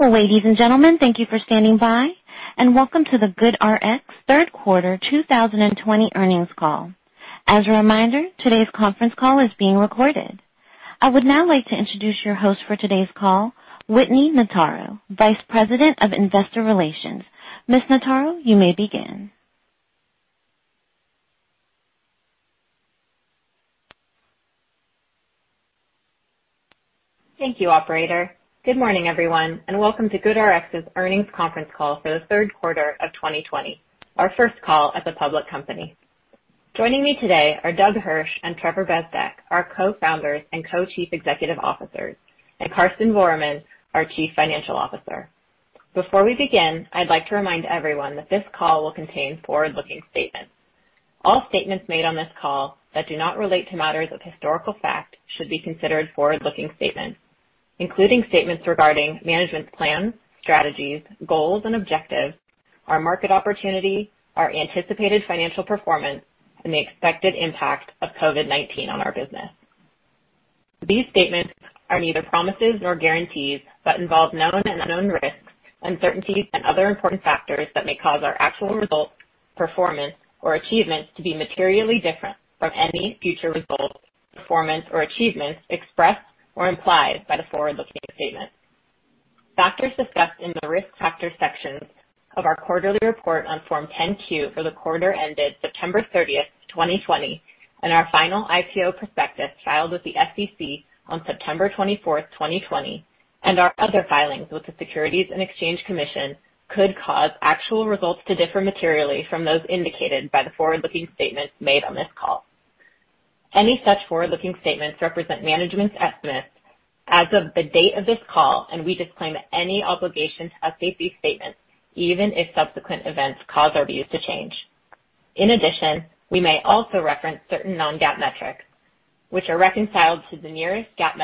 Ladies and gentlemen, thank you for standing by and welcome to the GoodRx Third Quarter 2020 Earnings Call. As a reminder, today's conference call is being recorded. I would now like to introduce your host for today's call, Whitney Notaro, Vice President of Investor Relations. Ms. Notaro, you may begin. Thank you, operator. Good morning everyone. Welcome to GoodRx's Earnings Conference Call for the Third Quarter of 2020, our first call as a public company. Joining me today are Doug Hirsch and Trevor Bezdek, our Co-Founders and Co-Chief Executive Officers, and Karsten Voermann, our Chief Financial Officer. Before we begin, I'd like to remind everyone that this call will contain forward-looking statements. All statements made on this call that do not relate to matters of historical fact should be considered forward-looking statements, including statements regarding management's plans, strategies, goals, and objectives, our market opportunity, our anticipated financial performance, and the expected impact of COVID-19 on our business. These statements are neither promises nor guarantees but involve known and unknown risks, uncertainties, and other important factors that may cause our actual results, performance, or achievements to be materially different from any future results, performance, or achievements expressed or implied by the forward-looking statements. Factors discussed in the Risk Factors section of our quarterly report on Form 10-Q for the quarter ended September 30th, 2020 and our final IPO prospectus filed with the SEC on September 24th, 2020, and our other filings with the Securities and Exchange Commission could cause actual results to differ materially from those indicated by the forward-looking statements made on this call. Any such forward-looking statements represent management's estimates as of the date of this call, and we disclaim any obligation to update these statements, even if subsequent events cause our views to change. We may also reference certain non-GAAP metrics, which are reconciled to the nearest GAAP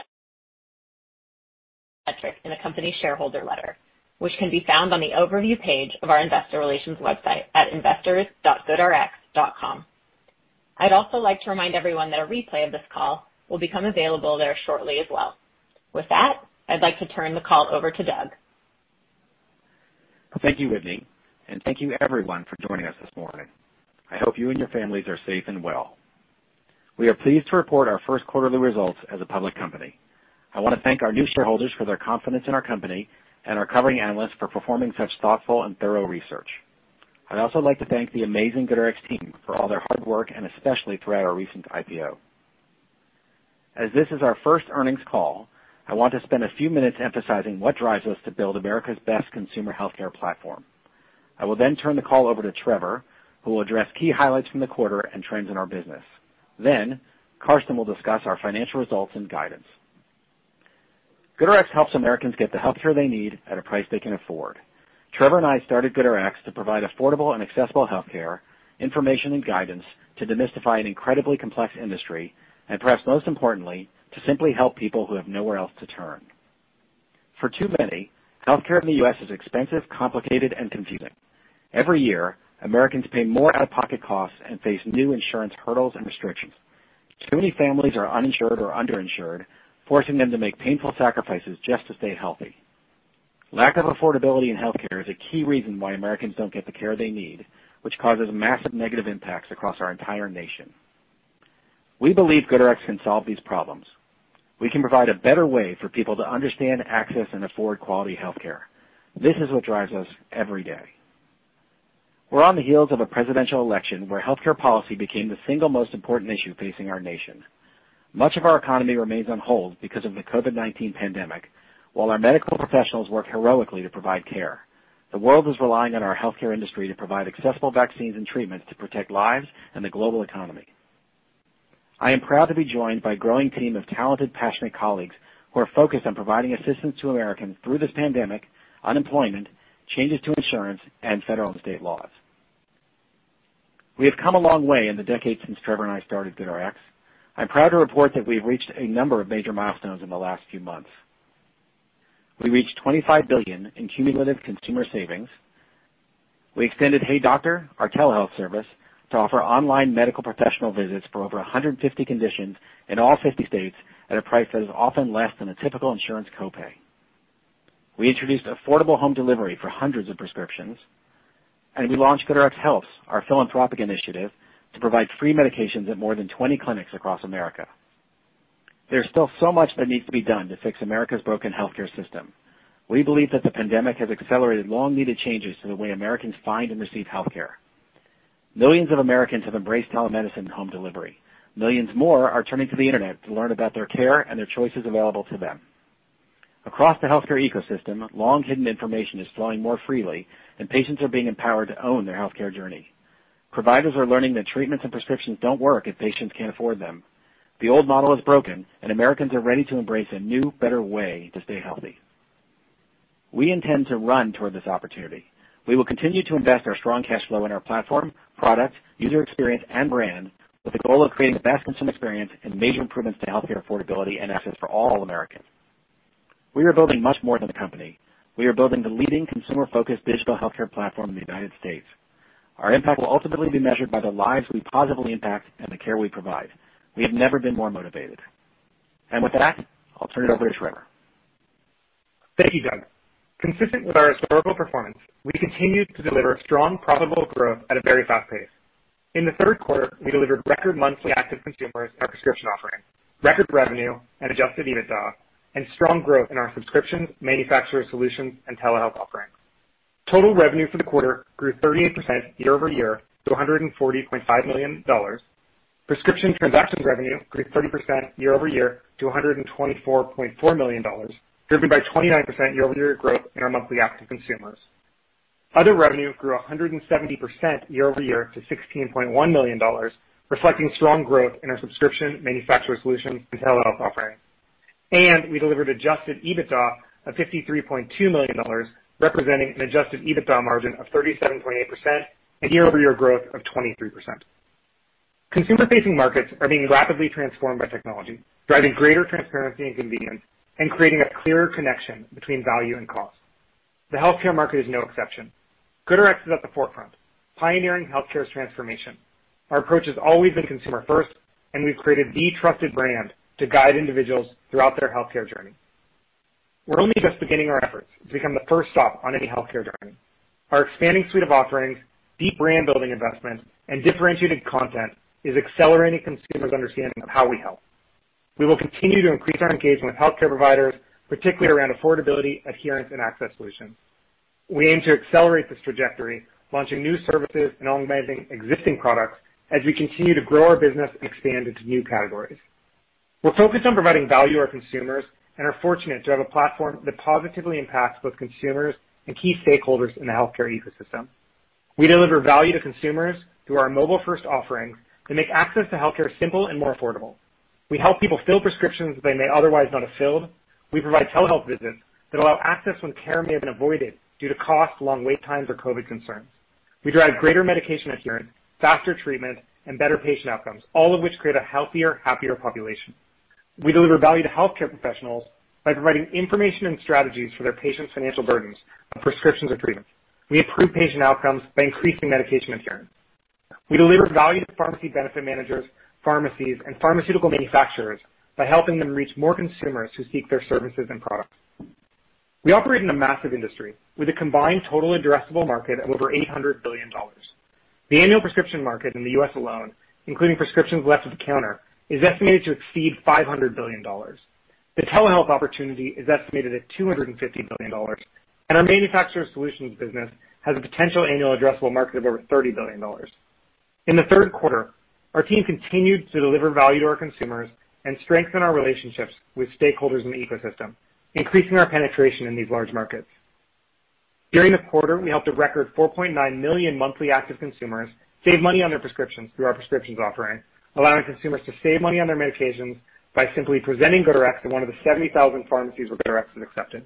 metric in the company shareholder letter which can be found on the overview page of our investor relations website at investors.goodrx.com. I'd also like to remind everyone that a replay of this call will become available there shortly as well. With that, I'd like to turn the call over to Doug. Thank you, Whitney. Thank you everyone for joining us this morning. I hope you and your families are safe and well. We are pleased to report our first quarterly results as a public company. I want to thank our new shareholders for their confidence in our company and our covering analysts for performing such thoughtful and thorough research. I'd also like to thank the amazing GoodRx team for all their hard work, and especially throughout our recent IPO. As this is our first earnings call, I want to spend a few minutes emphasizing what drives us to build America's best consumer healthcare platform. I will turn the call over to Trevor, who will address key highlights from the quarter and trends in our business. Karsten will discuss our financial results and guidance. GoodRx helps Americans get the healthcare they need at a price they can afford. Trevor and I started GoodRx to provide affordable and accessible healthcare information and guidance to demystify an incredibly complex industry, and perhaps most importantly, to simply help people who have nowhere else to turn. For too many, healthcare in the U.S. is expensive, complicated, and confusing. Every year, Americans pay more out-of-pocket costs and face new insurance hurdles and restrictions. Too many families are uninsured or underinsured, forcing them to make painful sacrifices just to stay healthy. Lack of affordability in healthcare is a key reason why Americans don't get the care they need, which causes massive negative impacts across our entire nation. We believe GoodRx can solve these problems. We can provide a better way for people to understand, access, and afford quality healthcare. This is what drives us every day. We're on the heels of a presidential election where healthcare policy became the single most important issue facing our nation. Much of our economy remains on hold because of the COVID-19 pandemic, while our medical professionals work heroically to provide care. The world is relying on our healthcare industry to provide accessible vaccines and treatments to protect lives and the global economy. I am proud to be joined by a growing team of talented, passionate colleagues who are focused on providing assistance to Americans through this pandemic, unemployment, changes to insurance, and federal and state laws. We have come a long way in the decade since Trevor and I started GoodRx. I'm proud to report that we've reached a number of major milestones in the last few months. We reached $25 billion in cumulative consumer savings. We extended HeyDoctor, our telehealth service, to offer online medical professional visits for over 150 conditions in all 50 states at a price that is often less than a typical insurance copay. We introduced affordable home delivery for hundreds of prescriptions. We launched GoodRx Helps, our philanthropic initiative to provide free medications at more than 20 clinics across America. There's still so much that needs to be done to fix America's broken healthcare system. We believe that the pandemic has accelerated long-needed changes to the way Americans find and receive healthcare. Millions of Americans have embraced telemedicine and home delivery. Millions more are turning to the internet to learn about their care and their choices available to them. Across the healthcare ecosystem, long-hidden information is flowing more freely. Patients are being empowered to own their healthcare journey. Providers are learning that treatments and prescriptions don't work if patients can't afford them. Americans are ready to embrace a new, better way to stay healthy. We intend to run toward this opportunity. We will continue to invest our strong cash flow in our platform, product, user experience, and brand with the goal of creating the best consumer experience and major improvements to healthcare affordability and access for all Americans. We are building much more than a company. We are building the leading consumer-focused digital healthcare platform in the United States. Our impact will ultimately be measured by the lives we positively impact and the care we provide. We have never been more motivated. With that, I'll turn it over to Trevor. Thank you, Doug. Consistent with our historical performance, we continued to deliver strong profitable growth at a very fast pace. In the third quarter, we delivered record monthly active consumers in our prescription offering, record revenue and adjusted EBITDA, and strong growth in our subscriptions, Manufacturer Solutions, and telehealth offerings. Total revenue for the quarter grew 38% year-over-year to $140.5 million. Prescription transactions revenue grew 30% year-over-year to $124.4 million, driven by 29% year-over-year growth in our monthly active consumers. Other revenue grew 170% year-over-year to $16.1 million, reflecting strong growth in our subscription, Manufacturer Solutions, and telehealth offerings. We delivered adjusted EBITDA of $53.2 million, representing an adjusted EBITDA margin of 37.8% and year-over-year growth of 23%. Consumer-facing markets are being rapidly transformed by technology, driving greater transparency and convenience and creating a clearer connection between value and cost. The healthcare market is no exception. GoodRx is at the forefront, pioneering healthcare's transformation. Our approach has always been consumer first, and we've created the trusted brand to guide individuals throughout their healthcare journey. We're only just beginning our efforts to become the first stop on any healthcare journey. Our expanding suite of offerings, deep brand building investments, and differentiated content is accelerating consumers' understanding of how we help. We will continue to increase our engagement with healthcare providers, particularly around affordability, adherence, and access solutions. We aim to accelerate this trajectory, launching new services and organizing existing products as we continue to grow our business and expand into new categories. We're focused on providing value to our consumers and are fortunate to have a platform that positively impacts both consumers and key stakeholders in the healthcare ecosystem. We deliver value to consumers through our mobile-first offerings that make access to healthcare simple and more affordable. We help people fill prescriptions they may otherwise not have filled. We provide telehealth visits that allow access when care may have been avoided due to cost, long wait times, or COVID concerns. We drive greater medication adherence, faster treatment, and better patient outcomes, all of which create a healthier, happier population. We deliver value to healthcare professionals by providing information and strategies for their patients' financial burdens on prescriptions or treatment. We improve patient outcomes by increasing medication adherence. We deliver value to pharmacy benefit managers, pharmacies, and pharmaceutical manufacturers by helping them reach more consumers who seek their services and products. We operate in a massive industry with a combined total addressable market of over $800 billion. The annual prescription market in the U.S. alone, including prescriptions left at the counter, is estimated to exceed $500 billion. The telehealth opportunity is estimated at $250 billion, and our Manufacturer Solutions business has a potential annual addressable market of over $30 billion. In the third quarter, our team continued to deliver value to our consumers and strengthen our relationships with stakeholders in the ecosystem, increasing our penetration in these large markets. During the quarter, we helped a record 4.9 million monthly active consumers save money on their prescriptions through our prescriptions offering, allowing consumers to save money on their medications by simply presenting GoodRx at one of the 70,000 pharmacies where GoodRx is accepted.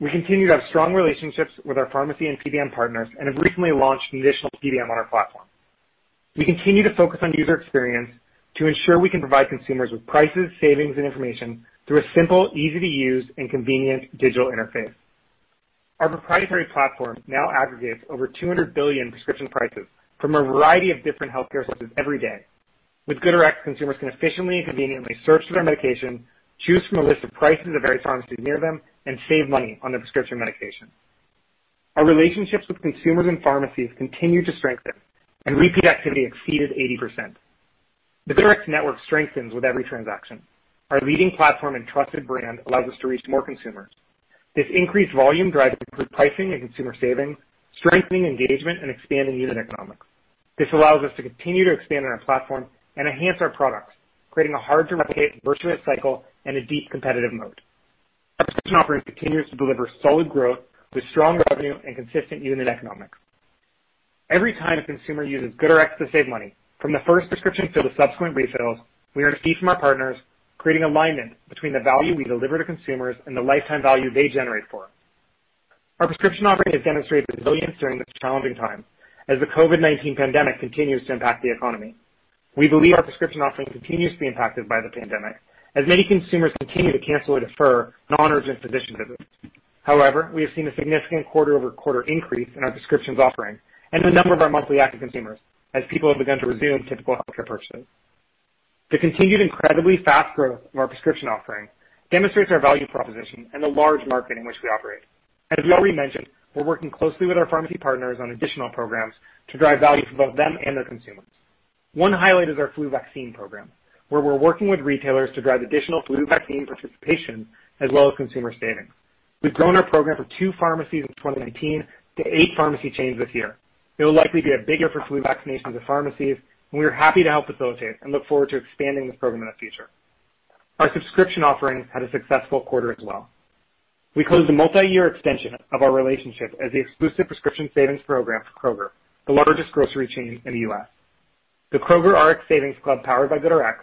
We continue to have strong relationships with our pharmacy and PBM partners and have recently launched an additional PBM on our platform. We continue to focus on user experience to ensure we can provide consumers with prices, savings, and information through a simple, easy to use, and convenient digital interface. Our proprietary platform now aggregates over 200 billion prescription prices from a variety of different healthcare systems every day. With GoodRx, consumers can efficiently and conveniently search for their medication, choose from a list of prices at various pharmacies near them, and save money on their prescription medication. Our relationships with consumers and pharmacies continue to strengthen, and repeat activity exceeded 80%. The GoodRx network strengthens with every transaction. Our leading platform and trusted brand allows us to reach more consumers. This increased volume drives improved pricing and consumer savings, strengthening engagement and expanding unit economics. This allows us to continue to expand on our platform and enhance our products, creating a hard to replicate virtuous cycle and a deep competitive moat. Our prescription offering continues to deliver solid growth with strong revenue and consistent unit economics. Every time a consumer uses GoodRx to save money, from the first prescription fill to subsequent refills, we earn a fee from our partners, creating alignment between the value we deliver to consumers and the lifetime value they generate for us. Our prescription offering has demonstrated resilience during this challenging time as the COVID-19 pandemic continues to impact the economy. We believe our prescription offering continues to be impacted by the pandemic, as many consumers continue to cancel or defer non-urgent physician visits. However, we have seen a significant quarter-over-quarter increase in our prescriptions offering and in the number of our monthly active consumers as people have begun to resume typical healthcare purchases. The continued incredibly fast growth of our prescription offering demonstrates our value proposition and the large market in which we operate. As we already mentioned, we're working closely with our pharmacy partners on additional programs to drive value for both them and their consumers. One highlight is our flu vaccine program, where we're working with retailers to drive additional flu vaccine participation as well as consumer savings. We've grown our program from two pharmacies in 2019 to eight pharmacy chains this year. It will likely be a big year for flu vaccinations at pharmacies, and we are happy to help facilitate and look forward to expanding this program in the future. Our subscription offering had a successful quarter as well. We closed a multi-year extension of our relationship as the exclusive prescription savings program for Kroger, the largest grocery chain in the U.S. The Kroger Rx Savings Club, powered by GoodRx,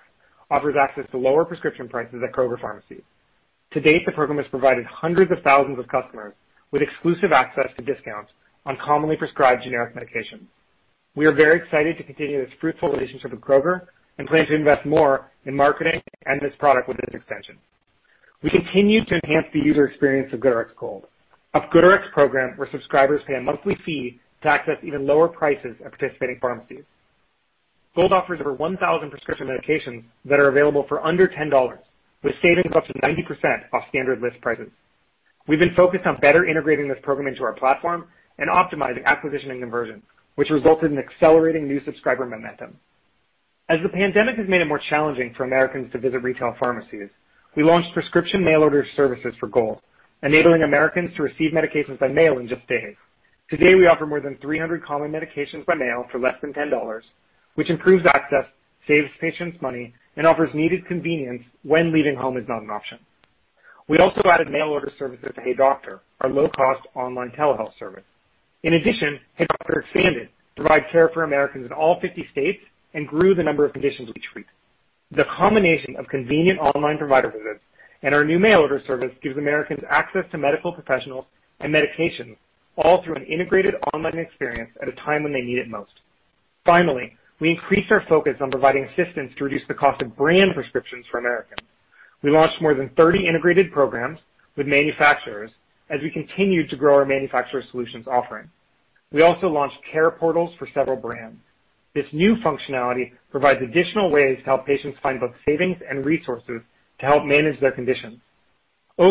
offers access to lower prescription prices at Kroger pharmacies. To date, the program has provided hundreds of thousands of customers with exclusive access to discounts on commonly prescribed generic medications. We are very excited to continue this fruitful relationship with Kroger and plan to invest more in marketing and this product with this extension. We continue to enhance the user experience of GoodRx Gold, a GoodRx program where subscribers pay a monthly fee to access even lower prices at participating pharmacies. Gold offers over 1,000 prescription medications that are available for under $10, with savings of up to 90% off standard list prices. We've been focused on better integrating this program into our platform and optimizing acquisition and conversion, which resulted in accelerating new subscriber momentum. As the pandemic has made it more challenging for Americans to visit retail pharmacies, we launched prescription mail-order services for Gold, enabling Americans to receive medications by mail in just days. Today, we offer more than 300 common medications by mail for less than $10, which improves access, saves patients money, and offers needed convenience when leaving home is not an option. We also added mail-order services to HeyDoctor, our low-cost online telehealth service. In addition, HeyDoctor expanded to provide care for Americans in all 50 states and grew the number of conditions we treat. The combination of convenient online provider visits and our new mail-order service gives Americans access to medical professionals and medications, all through an integrated online experience at a time when they need it most. We increased our focus on providing assistance to reduce the cost of brand prescriptions for Americans. We launched more than 30 integrated programs with manufacturers as we continued to grow our Manufacturer Solutions offering. We also launched care portals for several brands. This new functionality provides additional ways to help patients find both savings and resources to help manage their conditions. We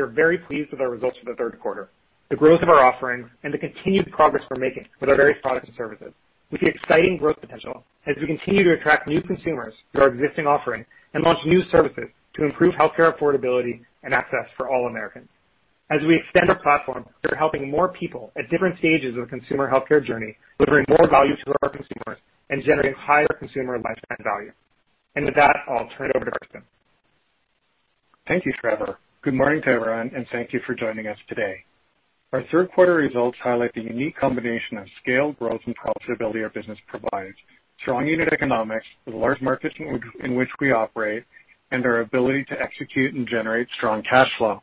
are very pleased with our results for the third quarter, the growth of our offerings, and the continued progress we're making with our various products and services. We see exciting growth potential as we continue to attract new consumers through our existing offerings and launch new services to improve healthcare affordability and access for all Americans. As we extend our platform, we are helping more people at different stages of the consumer healthcare journey, delivering more value to our consumers, and generating higher consumer lifespan value. With that, I'll turn it over to Karsten. Thank you, Trevor. Good morning to everyone, and thank you for joining us today. Our third quarter results highlight the unique combination of scale, growth, and profitability our business provides, strong unit economics, the large markets in which we operate, and our ability to execute and generate strong cash flow.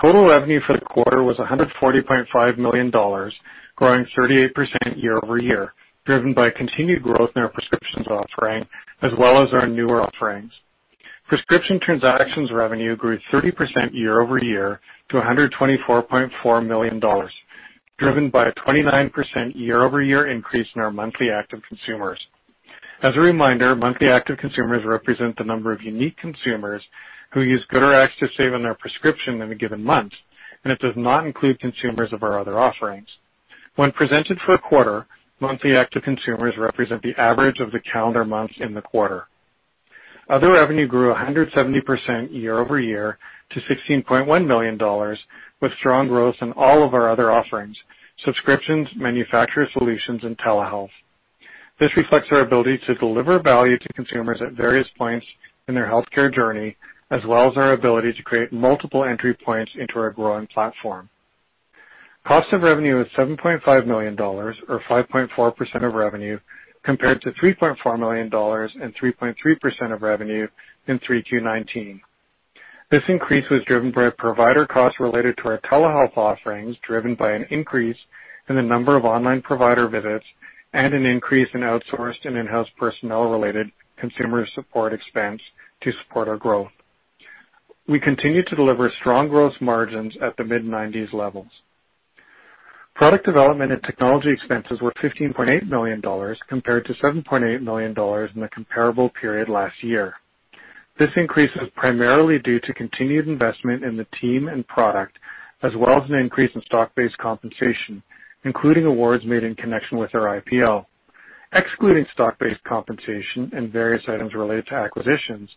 Total revenue for the quarter was $140.5 million, growing 38% year-over-year, driven by continued growth in our prescriptions offering, as well as our newer offerings. Prescription transactions revenue grew 30% year-over-year to $124.4 million, driven by a 29% year-over-year increase in our monthly active consumers. As a reminder, monthly active consumers represent the number of unique consumers who use GoodRx to save on their prescription in a given month, and it does not include consumers of our other offerings. When presented for a quarter, monthly active consumers represent the average of the calendar month in the quarter. Other revenue grew 170% year-over-year to $16.1 million, with strong growth in all of our other offerings: subscriptions, Manufacturer Solutions, and telehealth. This reflects our ability to deliver value to consumers at various points in their healthcare journey, as well as our ability to create multiple entry points into our growing platform. Cost of revenue is $7.5 million or 5.4% of revenue, compared to $3.4 million and 3.3% of revenue in 3Q 2019. This increase was driven by provider costs related to our telehealth offerings, driven by an increase in the number of online provider visits and an increase in outsourced and in-house personnel-related consumer support expense to support our growth. We continue to deliver strong gross margins at the mid-90s levels. Product development and technology expenses were $15.8 million compared to $7.8 million in the comparable period last year. This increase is primarily due to continued investment in the team and product, as well as an increase in stock-based compensation, including awards made in connection with our IPO. Excluding stock-based compensation and various items related to acquisitions,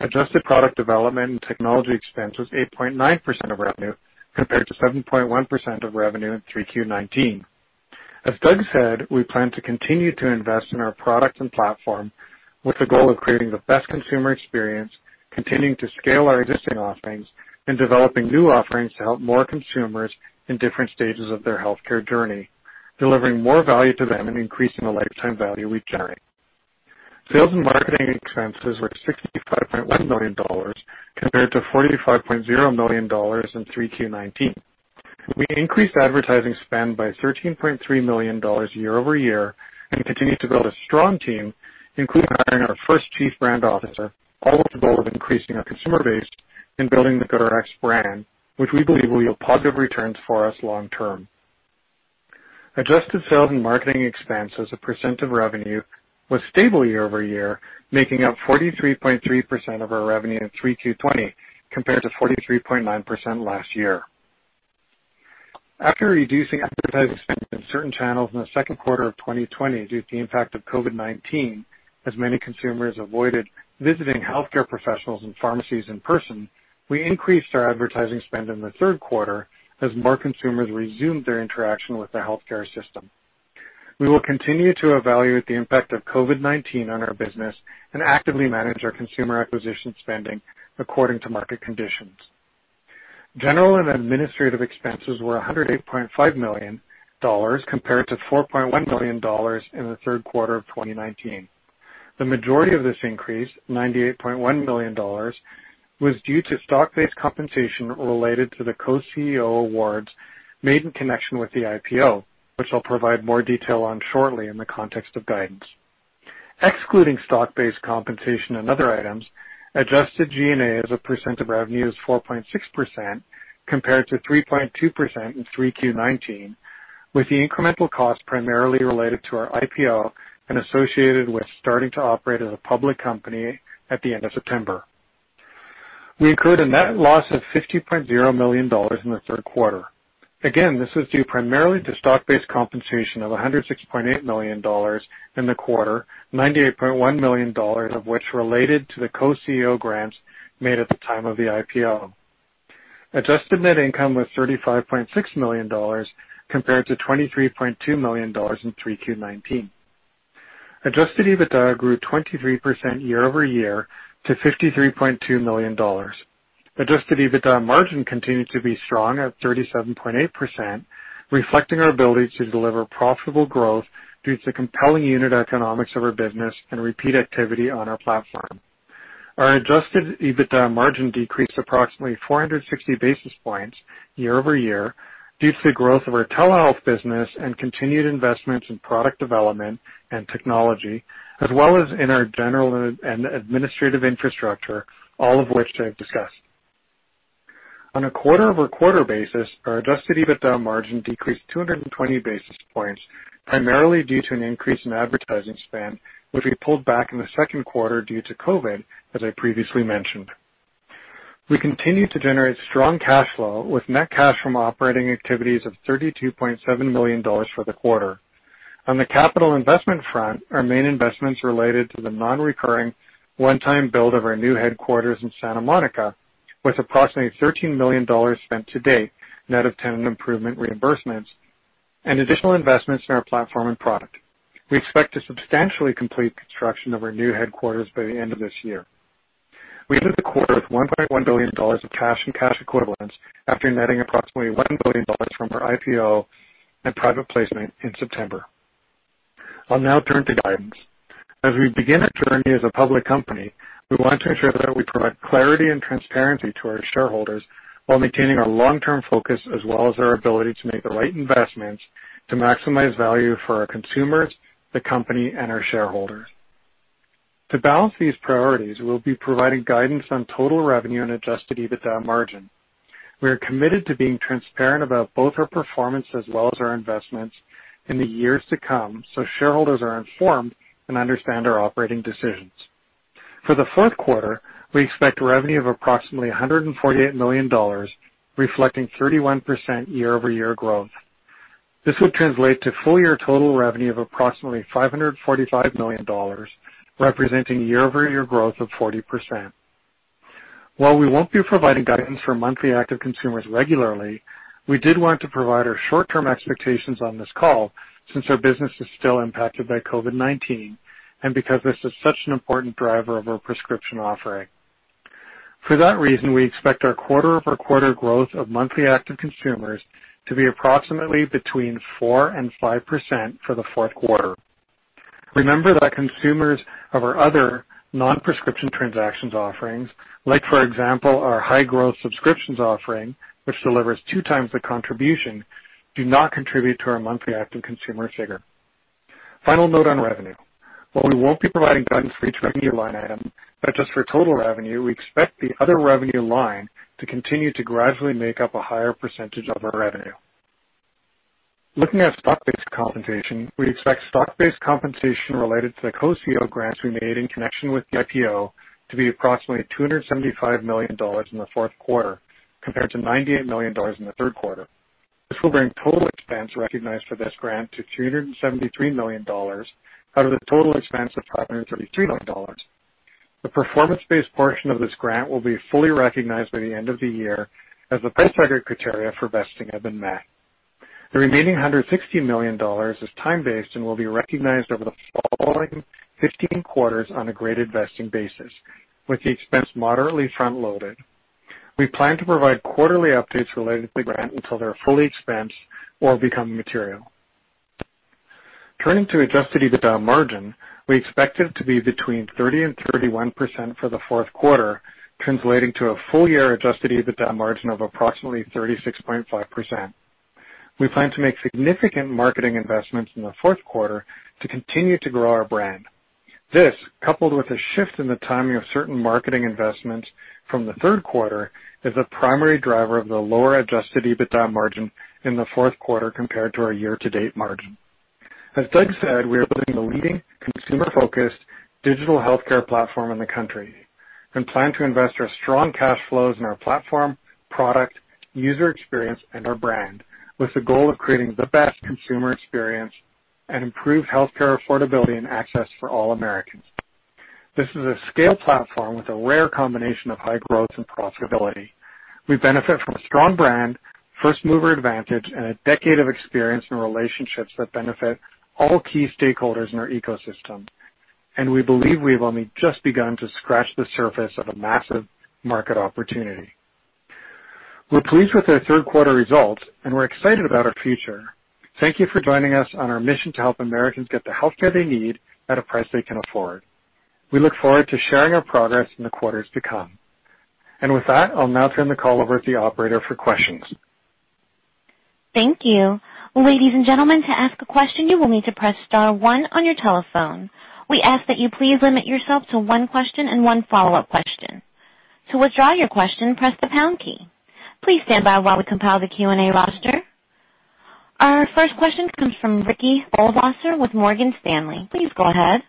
adjusted product development and technology expense was 8.9% of revenue compared to 7.1% of revenue in 3Q 2019. As Doug said, we plan to continue to invest in our product and platform with the goal of creating the best consumer experience, continuing to scale our existing offerings, and developing new offerings to help more consumers in different stages of their healthcare journey, delivering more value to them and increasing the lifetime value we generate. Sales and marketing expenses were $65.1 million compared to $45.0 million in 3Q 2019. We increased advertising spend by $13.3 million year-over-year and continued to build a strong team, including hiring our first chief brand officer, all with the goal of increasing our consumer base and building the GoodRx brand, which we believe will yield positive returns for us long term. Adjusted sales and marketing expense as a percent of revenue was stable year-over-year, making up 43.3% of our revenue in 3Q 2020 compared to 43.9% last year. After reducing advertising spend in certain channels in the second quarter of 2020 due to the impact of COVID-19, as many consumers avoided visiting healthcare professionals and pharmacies in person, we increased our advertising spend in the third quarter as more consumers resumed their interaction with the healthcare system. We will continue to evaluate the impact of COVID-19 on our business and actively manage our consumer acquisition spending according to market conditions. General and administrative expenses were $108.5 million compared to $4.1 million in the third quarter of 2019. The majority of this increase, $98.1 million, was due to stock-based compensation related to the co-CEO awards made in connection with the IPO, which I'll provide more detail on shortly in the context of guidance. Excluding stock-based compensation and other items, adjusted G&A as a percent of revenue is 4.6% compared to 3.2% in 3Q 2019, with the incremental cost primarily related to our IPO and associated with starting to operate as a public company at the end of September. We incurred a net loss of $50.0 million in the third quarter. Again, this is due primarily to stock-based compensation of $106.8 million in the quarter, $98.1 million of which related to the co-CEO grants made at the time of the IPO. Adjusted net income was $35.6 million compared to $23.2 million in 3Q 2019. Adjusted EBITDA grew 23% year-over-year to $53.2 million. Adjusted EBITDA margin continued to be strong at 37.8%, reflecting our ability to deliver profitable growth due to compelling unit economics of our business and repeat activity on our platform. Our adjusted EBITDA margin decreased approximately 460 basis points year-over-year due to the growth of our telehealth business and continued investments in product development and technology, as well as in our general and administrative infrastructure, all of which I've discussed. On a quarter-over-quarter basis, our adjusted EBITDA margin decreased 220 basis points, primarily due to an increase in advertising spend, which we pulled back in the second quarter due to COVID, as I previously mentioned. We continue to generate strong cash flow with net cash from operating activities of $32.7 million for the quarter. On the capital investment front, our main investments related to the non-recurring one-time build of our new headquarters in Santa Monica, with approximately $13 million spent to date, net of tenant improvement reimbursements and additional investments in our platform and product. We expect to substantially complete construction of our new headquarters by the end of this year. We ended the quarter with $1.1 billion of cash and cash equivalents after netting approximately $1 billion from our IPO and private placement in September. I'll now turn to guidance. As we begin our journey as a public company, we want to ensure that we provide clarity and transparency to our shareholders while maintaining our long-term focus, as well as our ability to make the right investments to maximize value for our consumers, the company, and our shareholders. To balance these priorities, we'll be providing guidance on total revenue and adjusted EBITDA margin. We are committed to being transparent about both our performance as well as our investments in the years to come so shareholders are informed and understand our operating decisions. For the fourth quarter, we expect revenue of approximately $148 million, reflecting 31% year-over-year growth. This would translate to full year total revenue of approximately $545 million, representing year-over-year growth of 40%. While we won't be providing guidance for monthly active consumers regularly, we did want to provide our short-term expectations on this call since our business is still impacted by COVID-19 and because this is such an important driver of our prescription offering. For that reason, we expect our quarter-over-quarter growth of monthly active consumers to be approximately between 4% and 5% for the fourth quarter. Remember that consumers of our other non-prescription transactions offerings, like for example, our high growth subscriptions offering, which delivers two times the contribution, do not contribute to our monthly active consumer figure. Final note on revenue. While we won't be providing guidance for each revenue line item, but just for total revenue, we expect the other revenue line to continue to gradually make up a higher percentage of our revenue. Looking at stock-based compensation, we expect stock-based compensation related to the co-CEO grants we made in connection with the IPO to be approximately $275 million in the fourth quarter compared to $98 million in the third quarter. This will bring total expense recognized for this grant to $273 million out of the total expense of $533 million. The performance-based portion of this grant will be fully recognized by the end of the year as the post-hire criteria for vesting have been met. The remaining $160 million is time-based and will be recognized over the following 15 quarters on a graded vesting basis, with the expense moderately front-loaded. We plan to provide quarterly updates related to the grant until they are fully expensed or become material. Turning to adjusted EBITDA margin, we expect it to be between 30% and 31% for the fourth quarter, translating to a full year adjusted EBITDA margin of approximately 36.5%. We plan to make significant marketing investments in the fourth quarter to continue to grow our brand. This, coupled with a shift in the timing of certain marketing investments from the third quarter, is the primary driver of the lower adjusted EBITDA margin in the fourth quarter compared to our year-to-date margin. As Doug said, we are building the leading consumer focused digital healthcare platform in the country and plan to invest our strong cash flows in our platform, product, user experience, and our brand with the goal of creating the best consumer experience and improve healthcare affordability and access for all Americans. This is a scale platform with a rare combination of high growth and profitability. We benefit from a strong brand, first mover advantage, and a decade of experience and relationships that benefit all key stakeholders in our ecosystem. We believe we have only just begun to scratch the surface of a massive market opportunity. We're pleased with our third quarter results. We're excited about our future. Thank you for joining us on our mission to help Americans get the healthcare they need at a price they can afford. We look forward to sharing our progress in the quarters to come. With that, I'll now turn the call over to the operator for questions. Thank you. Ladies and gentlemen, to ask a question, you will need to press star one on your telephone. We ask that you please limit yourself to one question and one follow-up question. To withdraw your question, press the pound key. Please stand by while we compile the Q&A roster. Our first question comes from Ricky Goldwasser with Morgan Stanley. Please go ahead.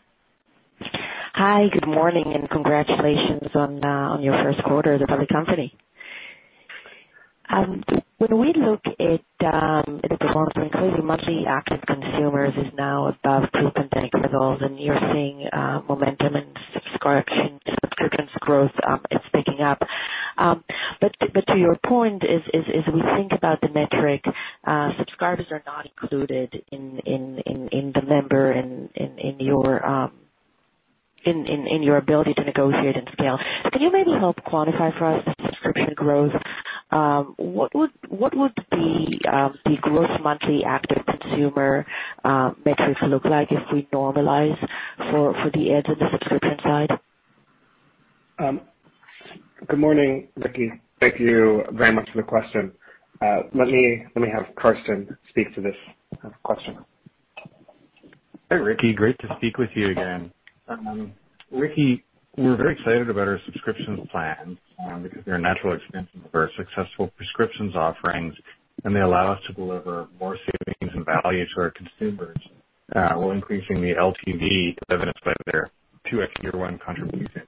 Hi, good morning, and congratulations on your first quarter as a public company. When we look at the performance, I think the monthly active consumers is now above pre-pandemic levels, and you're seeing momentum and subscriptions growth is picking up. To your point is, as we think about the metric, subscribers are not included in the member and in your ability to negotiate and scale. Can you maybe help quantify for us the subscription growth? What would the growth monthly active consumer metrics look like if we normalize for the add to the subscription side? Good morning, Ricky. Thank you very much for the question. Let me have Karsten speak to this question. Hi, Ricky. Great to speak with you again. Ricky, we're very excited about our subscription plans because they're a natural extension of our successful prescriptions offerings. They allow us to deliver more savings and value to our consumers, while increasing the LTV evidenced by their 2x year one contribution.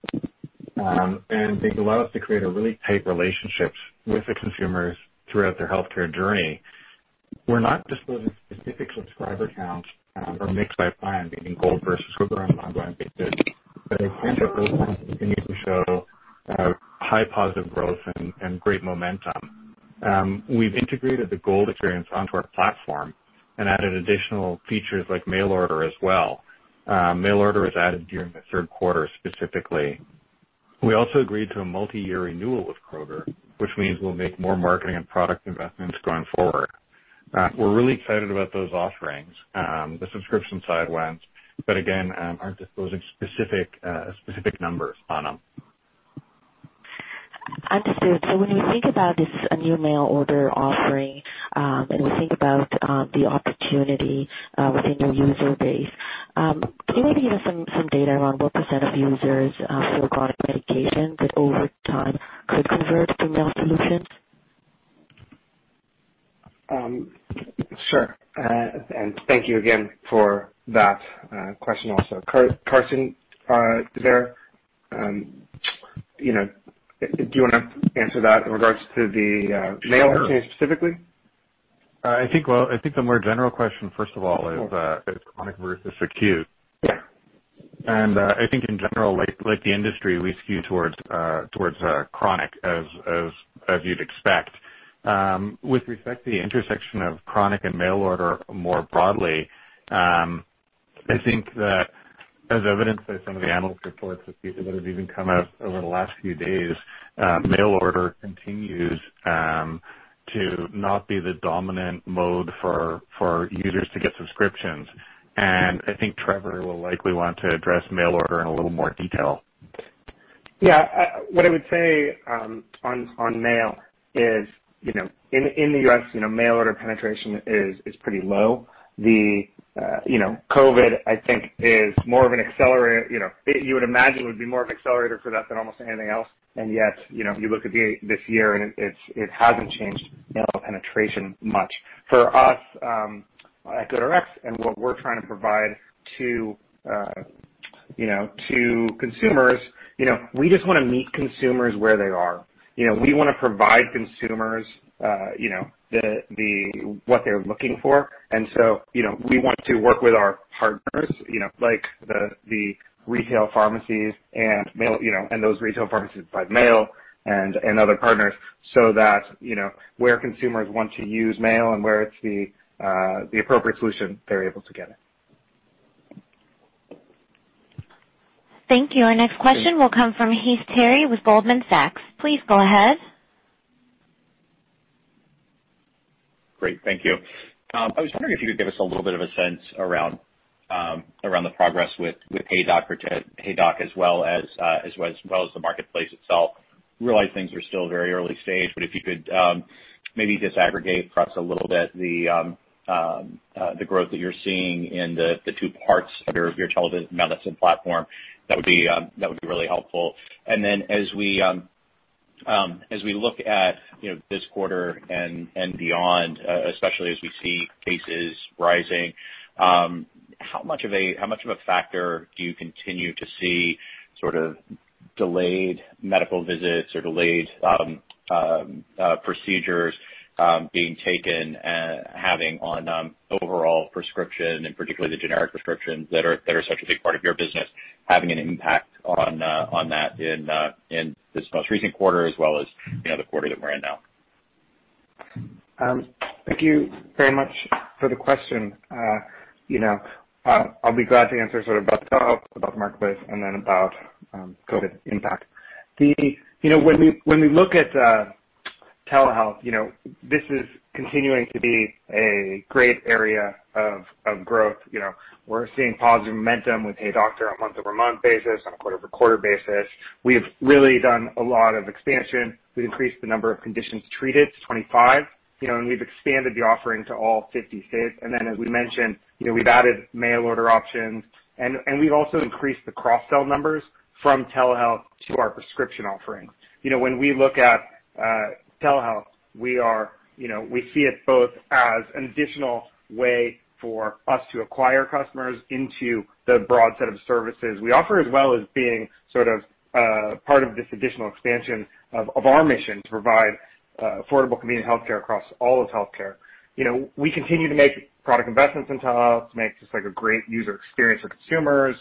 They allow us to create a really tight relationship with the consumers throughout their healthcare journey. We're not disclosing specific subscriber counts or mix by plan, be it GoodRx Gold versus Kroger Rx Savings Club on an ongoing basis. I can tell you those plans continue to show high positive growth and great momentum. We've integrated the GoodRx Gold experience onto our platform and added additional features like mail order as well. Mail order was added during the third quarter specifically. We also agreed to a multiyear renewal with Kroger, which means we'll make more marketing and product investments going forward. We're really excited about those offerings, the subscription side ones, but again, aren't disclosing specific numbers on them. Understood. When we think about this new mail order offering, and we think about the opportunity within your user base, can you maybe give us some data around what percent of users fill chronic medications that over time could convert to mail solutions? Sure. Thank you again for that question also. Karsten, do you want to answer that in regards to the mail solution specifically? Sure. I think the more general question, first of all, is chronic versus acute. Yeah. I think in general, like the industry, we skew towards chronic as you'd expect. With respect to the intersection of chronic and mail order more broadly, I think that as evidenced by some of the analyst reports that have even come out over the last few days, mail order continues to not be the dominant mode for users to get subscriptions. I think Trevor will likely want to address mail order in a little more detail. Yeah. What I would say on mail is, in the U.S., mail order penetration is pretty low. COVID, I think, you would imagine, would be more of accelerator for that than almost anything else. Yet, you look at this year, and it hasn't changed mail order penetration much. For us at GoodRx and what we're trying to provide to consumers, we just want to meet consumers where they are. We want to provide consumers what they're looking for. We want to work with our partners, like the retail pharmacies and those retail pharmacies by mail and other partners so that where consumers want to use mail and where it's the appropriate solution, they're able to get it. Thank you. Our next question will come from Heath Terry with Goldman Sachs. Please go ahead. Great. Thank you. I was wondering if you could give us a little bit of a sense around the progress with HeyDoctor as well as the marketplace itself. Realize things are still very early stage, but if you could maybe disaggregate perhaps a little bit the growth that you're seeing in the two parts of your telemedicine platform, that would be really helpful. As we look at this quarter and beyond, especially as we see cases rising, how much of a factor do you continue to see sort of delayed medical visits or delayed procedures being taken and having on overall prescription and particularly the generic prescriptions that are such a big part of your business, having an impact on that in this most recent quarter as well as the quarter that we're in now? Thank you very much for the question. I'll be glad to answer sort of about the marketplace and then about COVID impact. When we look at telehealth, this is continuing to be a great area of growth. We're seeing positive momentum with HeyDoctor on a month-over-month basis, on a quarter-over-quarter basis. We've really done a lot of expansion. We've increased the number of conditions treated to 25. We've expanded the offering to all 50 states. As we mentioned, we've added mail order options, and we've also increased the cross-sell numbers from telehealth to our prescription offerings. When we look at telehealth, we see it both as an additional way for us to acquire customers into the broad set of services we offer, as well as being sort of part of this additional expansion of our mission to provide affordable, convenient healthcare across all of healthcare. We continue to make product investments in telehealth to make just like a great user experience for consumers.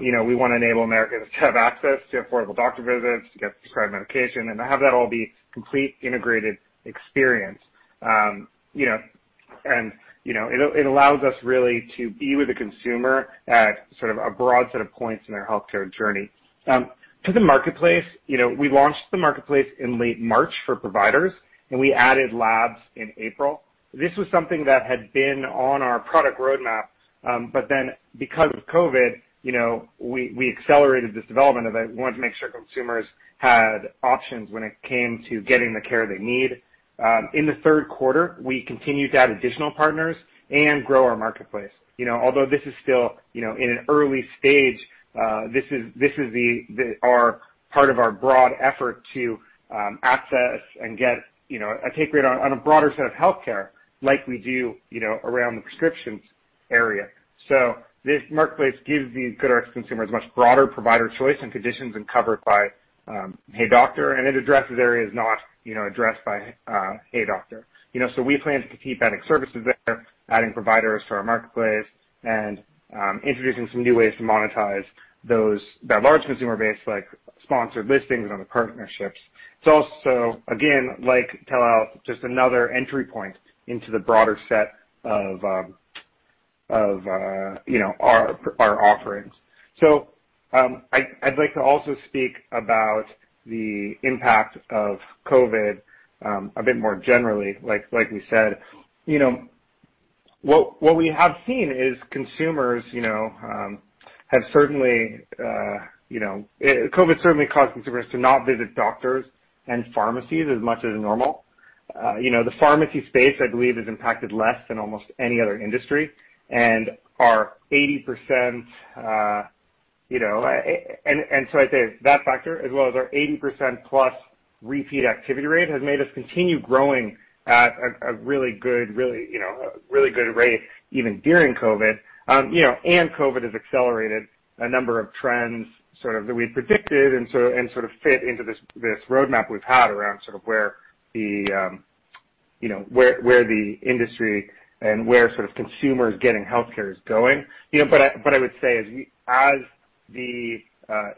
We want to enable Americans to have access to affordable doctor visits, to get prescribed medication, and to have that all be complete integrated experience. It allows us really to be with the consumer at sort of a broad set of points in their healthcare journey. To the marketplace, we launched the marketplace in late March for providers, we added labs in April. This was something that had been on our product roadmap. Because of COVID, we accelerated this development of it. We wanted to make sure consumers had options when it came to getting the care they need. In the third quarter, we continued to add additional partners and grow our marketplace. Although this is still in an early stage, this is part of our broad effort to access and get a take rate on a broader set of healthcare like we do around the prescriptions area. This marketplace gives the GoodRx consumers much broader provider choice and conditions than covered by HeyDoctor, and it addresses areas not addressed by HeyDoctor. We plan to keep adding services there, adding providers to our marketplace, and introducing some new ways to monetize that large consumer base, like sponsored listings on the partnerships. It's also, again, like telehealth, just another entry point into the broader set of our offerings. I'd like to also speak about the impact of COVID, a bit more generally, like we said. What we have seen is consumers, COVID certainly caused consumers to not visit doctors and pharmacies as much as normal. The pharmacy space, I believe, is impacted less than almost any other industry. I'd say that factor as well as our 80%+ repeat activity rate has made us continue growing at a really good rate even during COVID. COVID has accelerated a number of trends sort of that we predicted and sort of fit into this roadmap we've had around sort of where the industry and where sort of consumers getting healthcare is going. I would say as the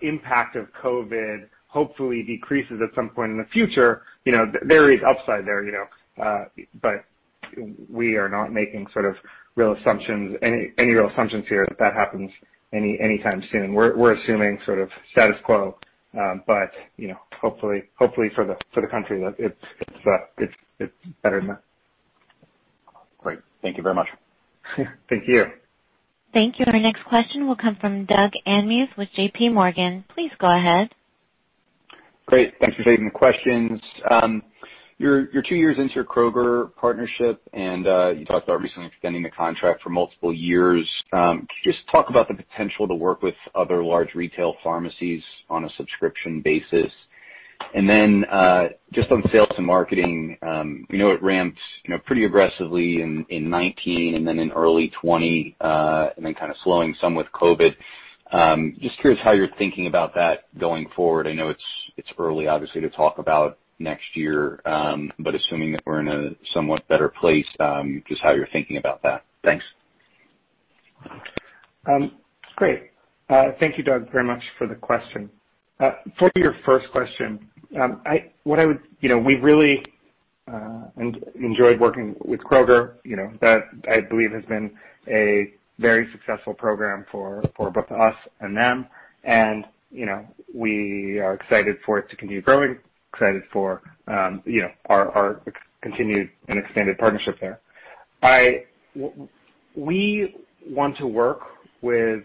impact of COVID hopefully decreases at some point in the future, there is upside there, but we are not making any real assumptions here that that happens anytime soon. We're assuming sort of status quo. Hopefully for the country that it's better than that. Great. Thank you very much. Thank you. Thank you. Our next question will come from Doug Anmuth with JPMorgan. Please go ahead. Great. Thanks for taking the questions. You're two years into your Kroger partnership, and you talked about recently extending the contract for multiple years. Could you just talk about the potential to work with other large retail pharmacies on a subscription basis? Just on sales and marketing, we know it ramped pretty aggressively in 2019 and then in early 2020, and then kind of slowing some with COVID. Just curious how you're thinking about that going forward. I know it's early obviously to talk about next year, but assuming that we're in a somewhat better place, just how you're thinking about that. Thanks. Great. Thank you Doug, very much for the question. For your first question, we've really enjoyed working with Kroger. That, I believe, has been a very successful program for both us and them. We are excited for it to continue growing, excited for our continued and expanded partnership there. We want to work with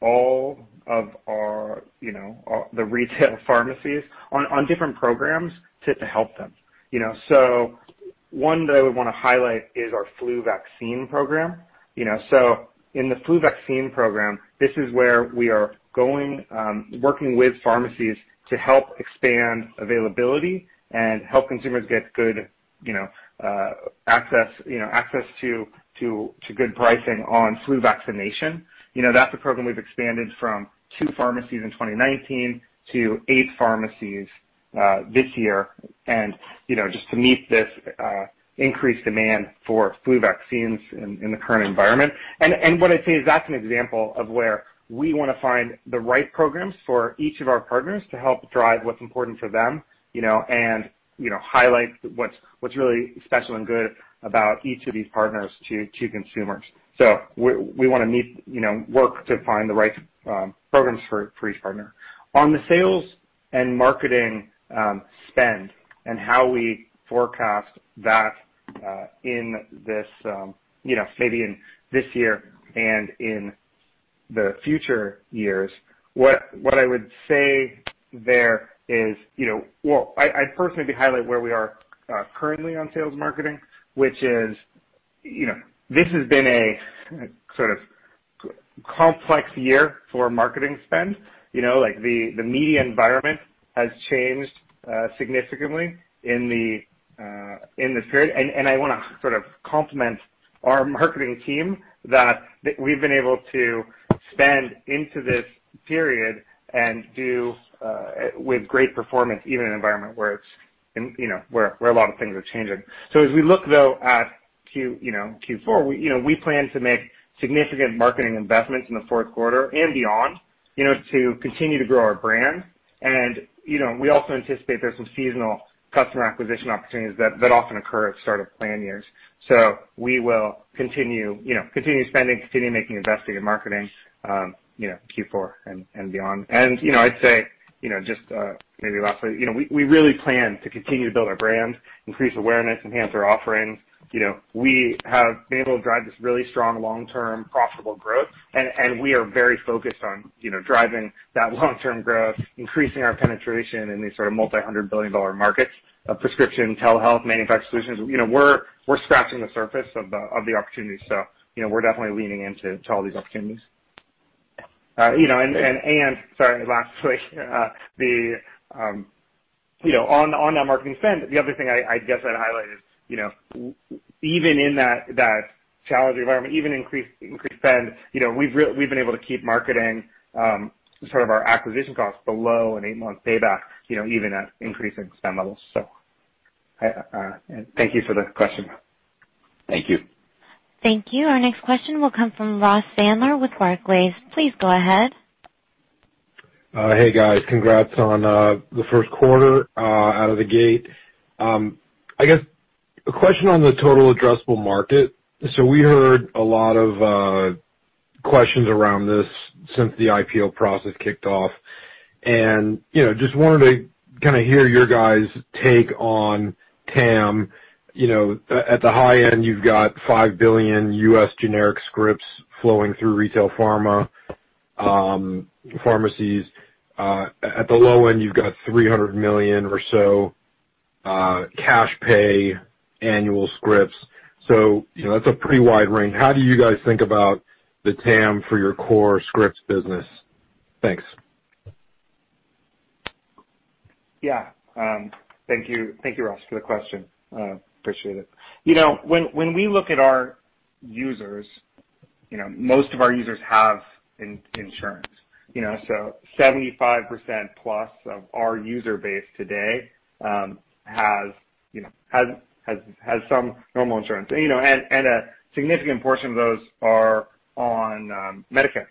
all of the retail pharmacies on different programs to help them. One that I would want to highlight is our flu vaccine program. In the flu vaccine program, this is where we are working with pharmacies to help expand availability and help consumers get good access to good pricing on flu vaccination. That's a program we've expanded from two pharmacies in 2019 to eight pharmacies this year, just to meet this increased demand for flu vaccines in the current environment. What I'd say is that's an example of where we want to find the right programs for each of our partners to help drive what's important for them, and highlight what's really special and good about each of these partners to consumers. We want to work to find the right programs for each partner. On the sales and marketing spend and how we forecast that maybe in this year and in the future years. What I would say there is, well, I'd personally highlight where we are currently on sales marketing, which is this has been a sort of complex year for marketing spend. The media environment has changed significantly in this period, and I want to sort of complement our marketing team that we've been able to spend into this period and do with great performance, even in an environment where a lot of things are changing. As we look, though, at Q4, we plan to make significant marketing investments in the fourth quarter and beyond to continue to grow our brand. We also anticipate there's some seasonal customer acquisition opportunities that often occur at start of plan years. We will continue spending, continue making investing in marketing Q4 and beyond. I'd say, just maybe lastly, we really plan to continue to build our brand, increase awareness, enhance our offerings. We have been able to drive this really strong long-term profitable growth, and we are very focused on driving that long-term growth, increasing our penetration in these sort of multi-hundred billion dollar markets of prescription, telehealth, manufactured solutions. We're scratching the surface of the opportunities. We're definitely leaning into all these opportunities. Sorry, lastly on that marketing spend, the other thing I guess I'd highlight is even in that challenged environment, even increased spend, we've been able to keep marketing sort of our acquisition costs below an eight-month payback even at increasing spend levels. Thank you for the question. Thank you. Thank you. Our next question will come from Ross Sandler with Barclays. Please go ahead. Hey, guys. Congrats on the first quarter out of the gate. I guess a question on the total addressable market. We heard a lot of questions around this since the IPO process kicked off, and just wanted to kind of hear your guys' take on TAM. At the high end, you've got $5 billion U.S. generic scripts flowing through retail pharmacies. At the low end, you've got $300 million or so cash pay annual scripts. That's a pretty wide range. How do you guys think about the TAM for your core scripts business? Thanks. Yeah. Thank you, Ross, for the question. Appreciate it. When we look at our users, most of our users have insurance. 75%+ of our user base today has some normal insurance. A significant portion of those are on Medicare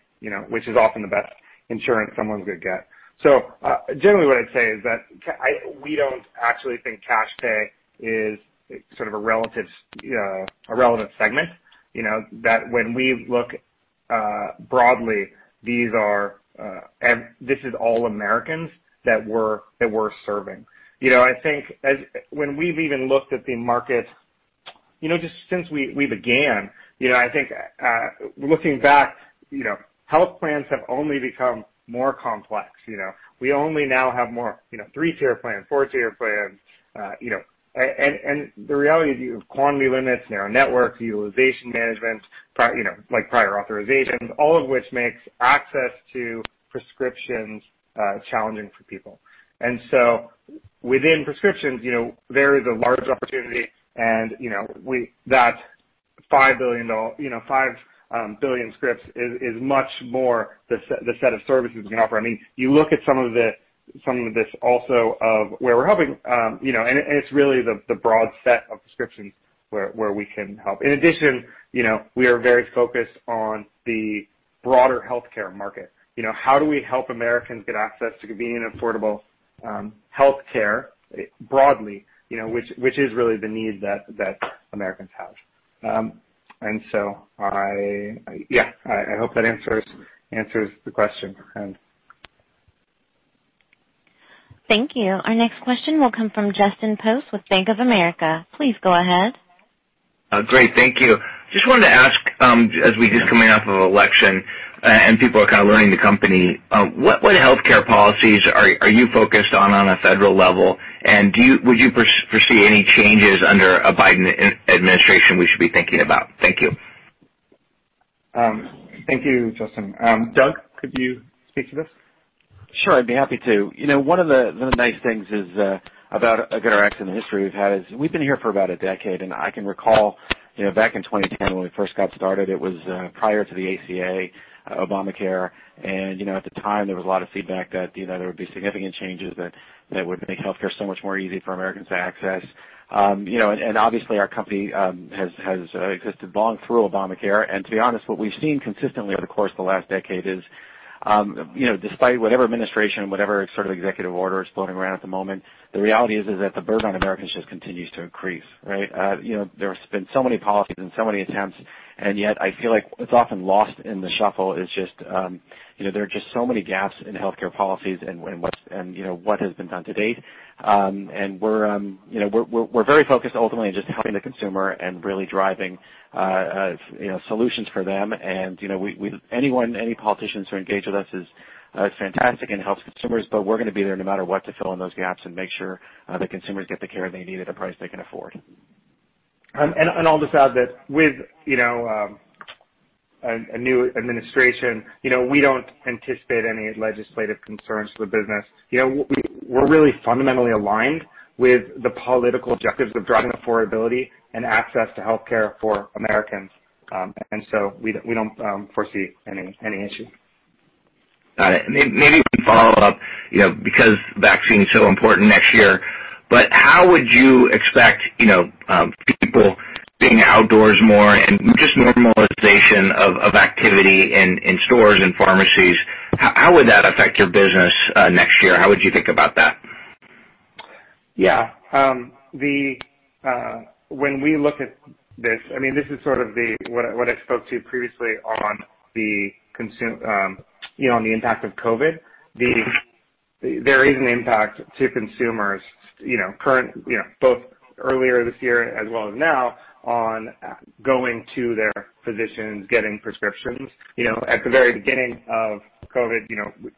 which is often the best insurance someone's going to get. Generally what I'd say is that we don't actually think cash pay is sort of a relevant segment. That when we look broadly, this is all Americans that we're serving. I think when we've even looked at the market, just since we began, I think looking back, health plans have only become more complex. We only now have more three-tier plans, four-tier plans, and the reality of quantity limits, narrow networks, utilization management, like prior authorizations, all of which makes access to prescriptions challenging for people. Within prescriptions, there is a large opportunity and that $5 billion scripts is much more the set of services we can offer. You look at some of this also of where we're helping, and it's really the broad set of prescriptions where we can help. In addition, we are very focused on the broader healthcare market. How do we help Americans get access to convenient, affordable healthcare broadly, which is really the need that Americans have? I hope that answers the question. Thank you. Our next question will come from Justin Post with Bank of America. Please go ahead. Great. Thank you. Just wanted to ask as we just coming off of election and people are kind of learning the company, what healthcare policies are you focused on on a federal level? Would you foresee any changes under a Biden administration we should be thinking about? Thank you. Thank you, Justin. Doug, could you speak to this? Sure, I'd be happy to. One of the nice things is about GoodRx and the history we've had is we've been here for about a decade, I can recall back in 2010 when we first got started, it was prior to the ACA, Obamacare. At the time, there was a lot of feedback that there would be significant changes that would make healthcare so much more easy for Americans to access. Obviously, our company has existed long through Obamacare. To be honest, what we've seen consistently over the course of the last decade is, despite whatever administration, whatever sort of executive order is floating around at the moment, the reality is that the burden on Americans just continues to increase, right? There's been so many policies and so many attempts, and yet I feel like what's often lost in the shuffle is just there are just so many gaps in healthcare policies and what has been done to date. We're very focused ultimately on just helping the consumer and really driving solutions for them. Any politicians who engage with us is fantastic and helps consumers, but we're going to be there no matter what to fill in those gaps and make sure the consumers get the care they need at a price they can afford. I'll just add that with a new administration, we don't anticipate any legislative concerns to the business. We're really fundamentally aligned with the political objectives of driving affordability and access to healthcare for Americans. We don't foresee any issue. Got it. Maybe one follow-up, because vaccine is so important next year, but how would you expect people being outdoors more and just normalization of activity in stores and pharmacies, how would that affect your business next year? How would you think about that? When we look at this is sort of what I spoke to previously on the impact of COVID. There is an impact to consumers, both earlier this year as well as now, on going to their physicians, getting prescriptions. At the very beginning of COVID,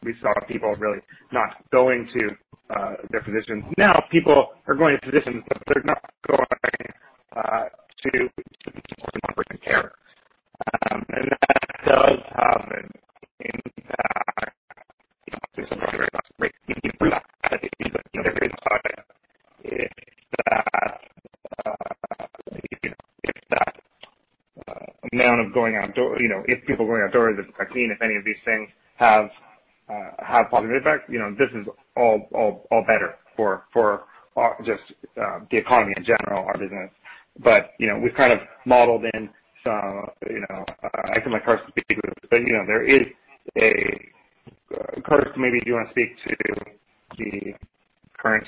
we saw people really not going to their physicians. Now people are going to physicians, but they're not going to in-person care. That does have an impact. If people going outdoors and getting a vaccine, if any of these things have a positive effect, this is all better for just the economy in general, our business. We've kind of modeled in some, I can let Karsten speak to it, but Karsten, maybe do you want to speak to the current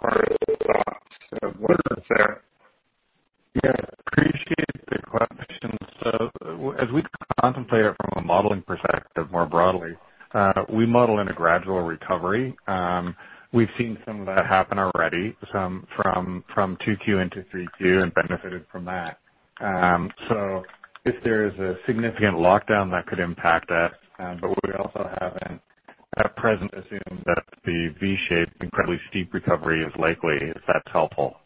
thoughts of what is there? Yes. Appreciate the question. As we contemplate it from a modeling perspective, more broadly, we model in a gradual recovery. We've seen some of that happen already, some from 2Q into 3Q and benefited from that. If there is a significant lockdown, that could impact us. We also at present assume that the V-shaped, incredibly steep recovery is likely, if that's helpful.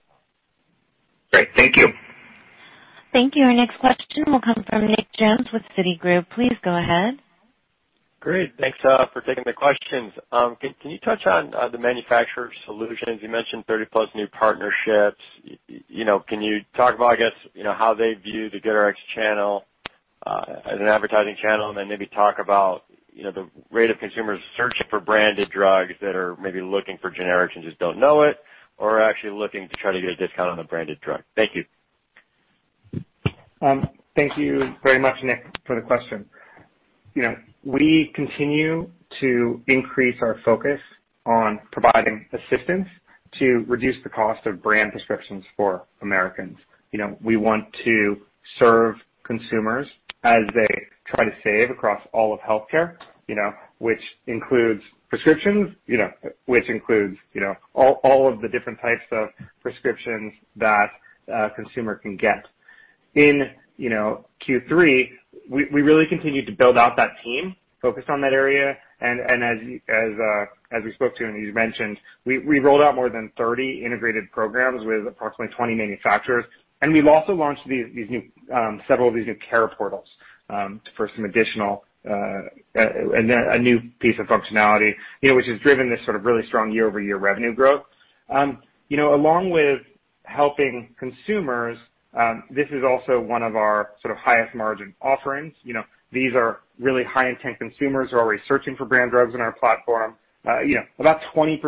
Great. Thank you. Thank you. Our next question will come from Nick Jones with Citigroup. Please go ahead. Great. Thanks for taking the questions. Can you touch on the Manufacturer Solutions? You mentioned 30+ new partnerships. Can you talk about how they view the GoodRx channel as an advertising channel, and then maybe talk about the rate of consumers searching for branded drugs that are maybe looking for generics and just don't know it, or actually looking to try to get a discount on a branded drug. Thank you. Thank you very much, Nick, for the question. We continue to increase our focus on providing assistance to reduce the cost of brand prescriptions for Americans. We want to serve consumers as they try to save across all of healthcare, which includes prescriptions, which includes all of the different types of prescriptions that a consumer can get. In Q3, we really continued to build out that team focused on that area, and as we spoke to and as you mentioned, we rolled out more than 30 integrated programs with approximately 20 manufacturers. We've also launched several of these new care portals for some additional, a new piece of functionality which has driven this sort of really strong year-over-year revenue growth. Along with helping consumers, this is also one of our sort of highest margin offerings. These are really high-intent consumers who are already searching for brand drugs in our platform. About 20%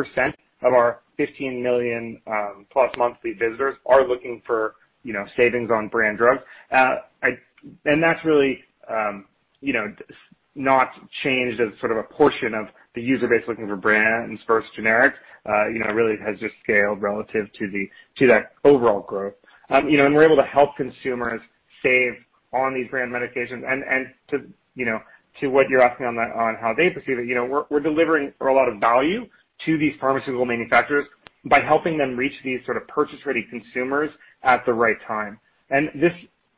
of our 15-million-plus monthly visitors are looking for savings on brand drugs. That's really not changed as sort of a portion of the user base looking for brands versus generics. It really has just scaled relative to that overall growth. We're able to help consumers save on these brand medications. To what you're asking on how they perceive it, we're delivering a lot of value to these pharmaceutical manufacturers by helping them reach these sort of purchase-ready consumers at the right time.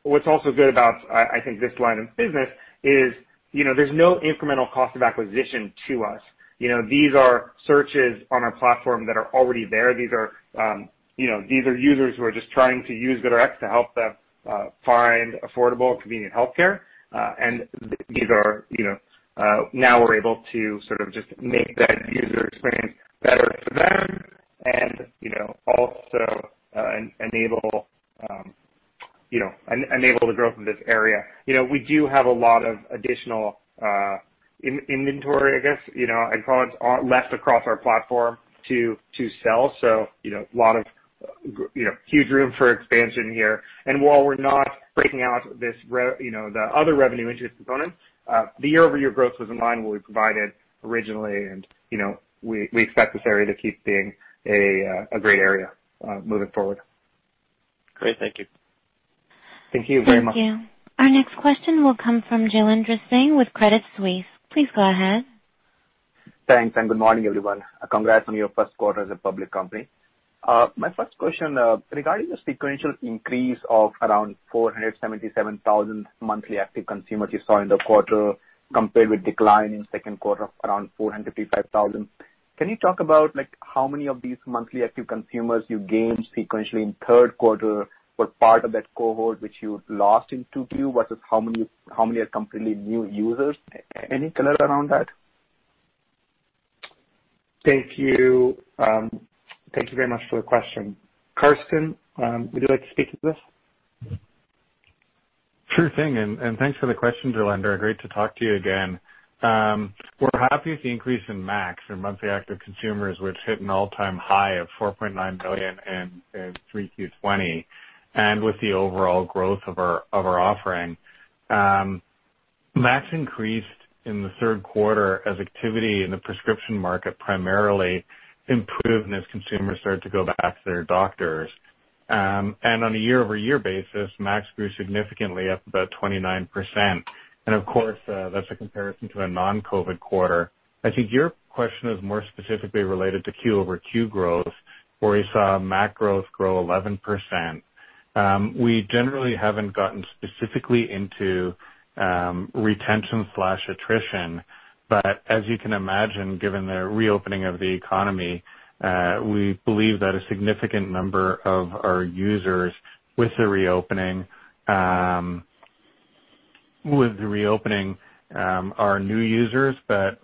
What's also good about, I think, this line of business is there's no incremental cost of acquisition to us. These are searches on our platform that are already there. These are users who are just trying to use GoodRx to help them find affordable and convenient healthcare. Now we're able to sort of just make that user experience better for them and also Enable the growth in this area. We do have a lot of additional inventory, I guess, I'd call it, left across our platform to sell. Lot of huge room for expansion here. While we're not breaking out the other revenue interest component, the year-over-year growth was in line with what we provided originally, and we expect this area to keep being a great area moving forward. Great. Thank you. Thank you very much. Thank you. Our next question will come from Jailendra Singh with Credit Suisse. Please go ahead. Thanks, good morning, everyone. Congrats on your first quarter as a public company. My first question, regarding the sequential increase of around 477,000 monthly active consumers you saw in the quarter compared with decline in second quarter of around 455,000. Can you talk about how many of these monthly active consumers you gained sequentially in third quarter? What part of that cohort which you lost in 2Q versus how many are completely new users? Any color around that? Thank you very much for the question. Karsten, would you like to speak to this? Sure thing. Thanks for the question, Jailendra, great to talk to you again. We're happy with the increase in MAC, or monthly active consumers, which hit an all-time high of 4.9 million in 3Q 2020 and with the overall growth of our offering. MAC increased in the third quarter as activity in the prescription market primarily improved and as consumers started to go back to their doctors. On a year-over-year basis, MAC grew significantly, up about 29%. Of course, that's a comparison to a non-COVID-19 quarter. I think your question is more specifically related to QoQ growth, where we saw MAC growth grow 11%. We generally haven't gotten specifically into retention/attrition. As you can imagine, given the reopening of the economy, we believe that a significant number of our users with the reopening are new users.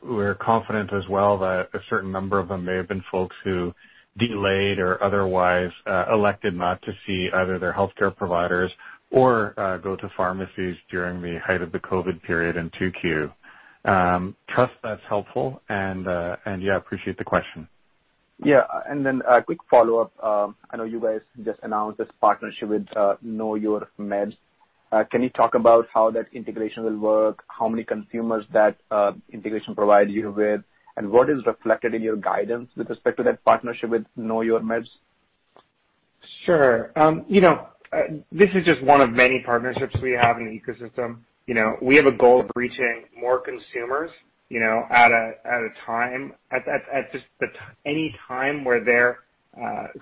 We're confident as well that a certain number of them may have been folks who delayed or otherwise elected not to see either their healthcare providers or go to pharmacies during the height of the COVID period in 2Q. Trust that's helpful and, yeah, appreciate the question. Yeah. A quick follow-up. I know you guys just announced this partnership with KnowYourMeds. Can you talk about how that integration will work, how many consumers that integration provides you with, and what is reflected in your guidance with respect to that partnership with KnowYourMeds? Sure. This is just one of many partnerships we have in the ecosystem. We have a goal of reaching more consumers at any time where they're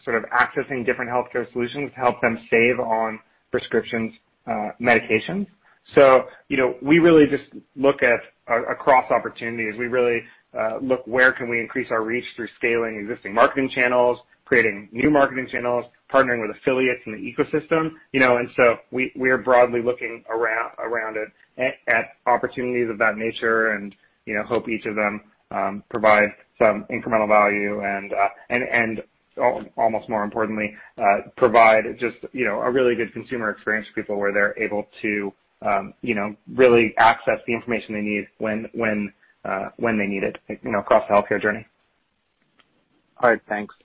sort of accessing different healthcare solutions to help them save on prescriptions, medications. We really just look at across opportunities. We really look where can we increase our reach through scaling existing marketing channels, creating new marketing channels, partnering with affiliates in the ecosystem. We are broadly looking around at opportunities of that nature and hope each of them provide some incremental value and almost more importantly, provide just a really good consumer experience for people where they're able to really access the information they need when they need it across the healthcare journey. All right. Thanks.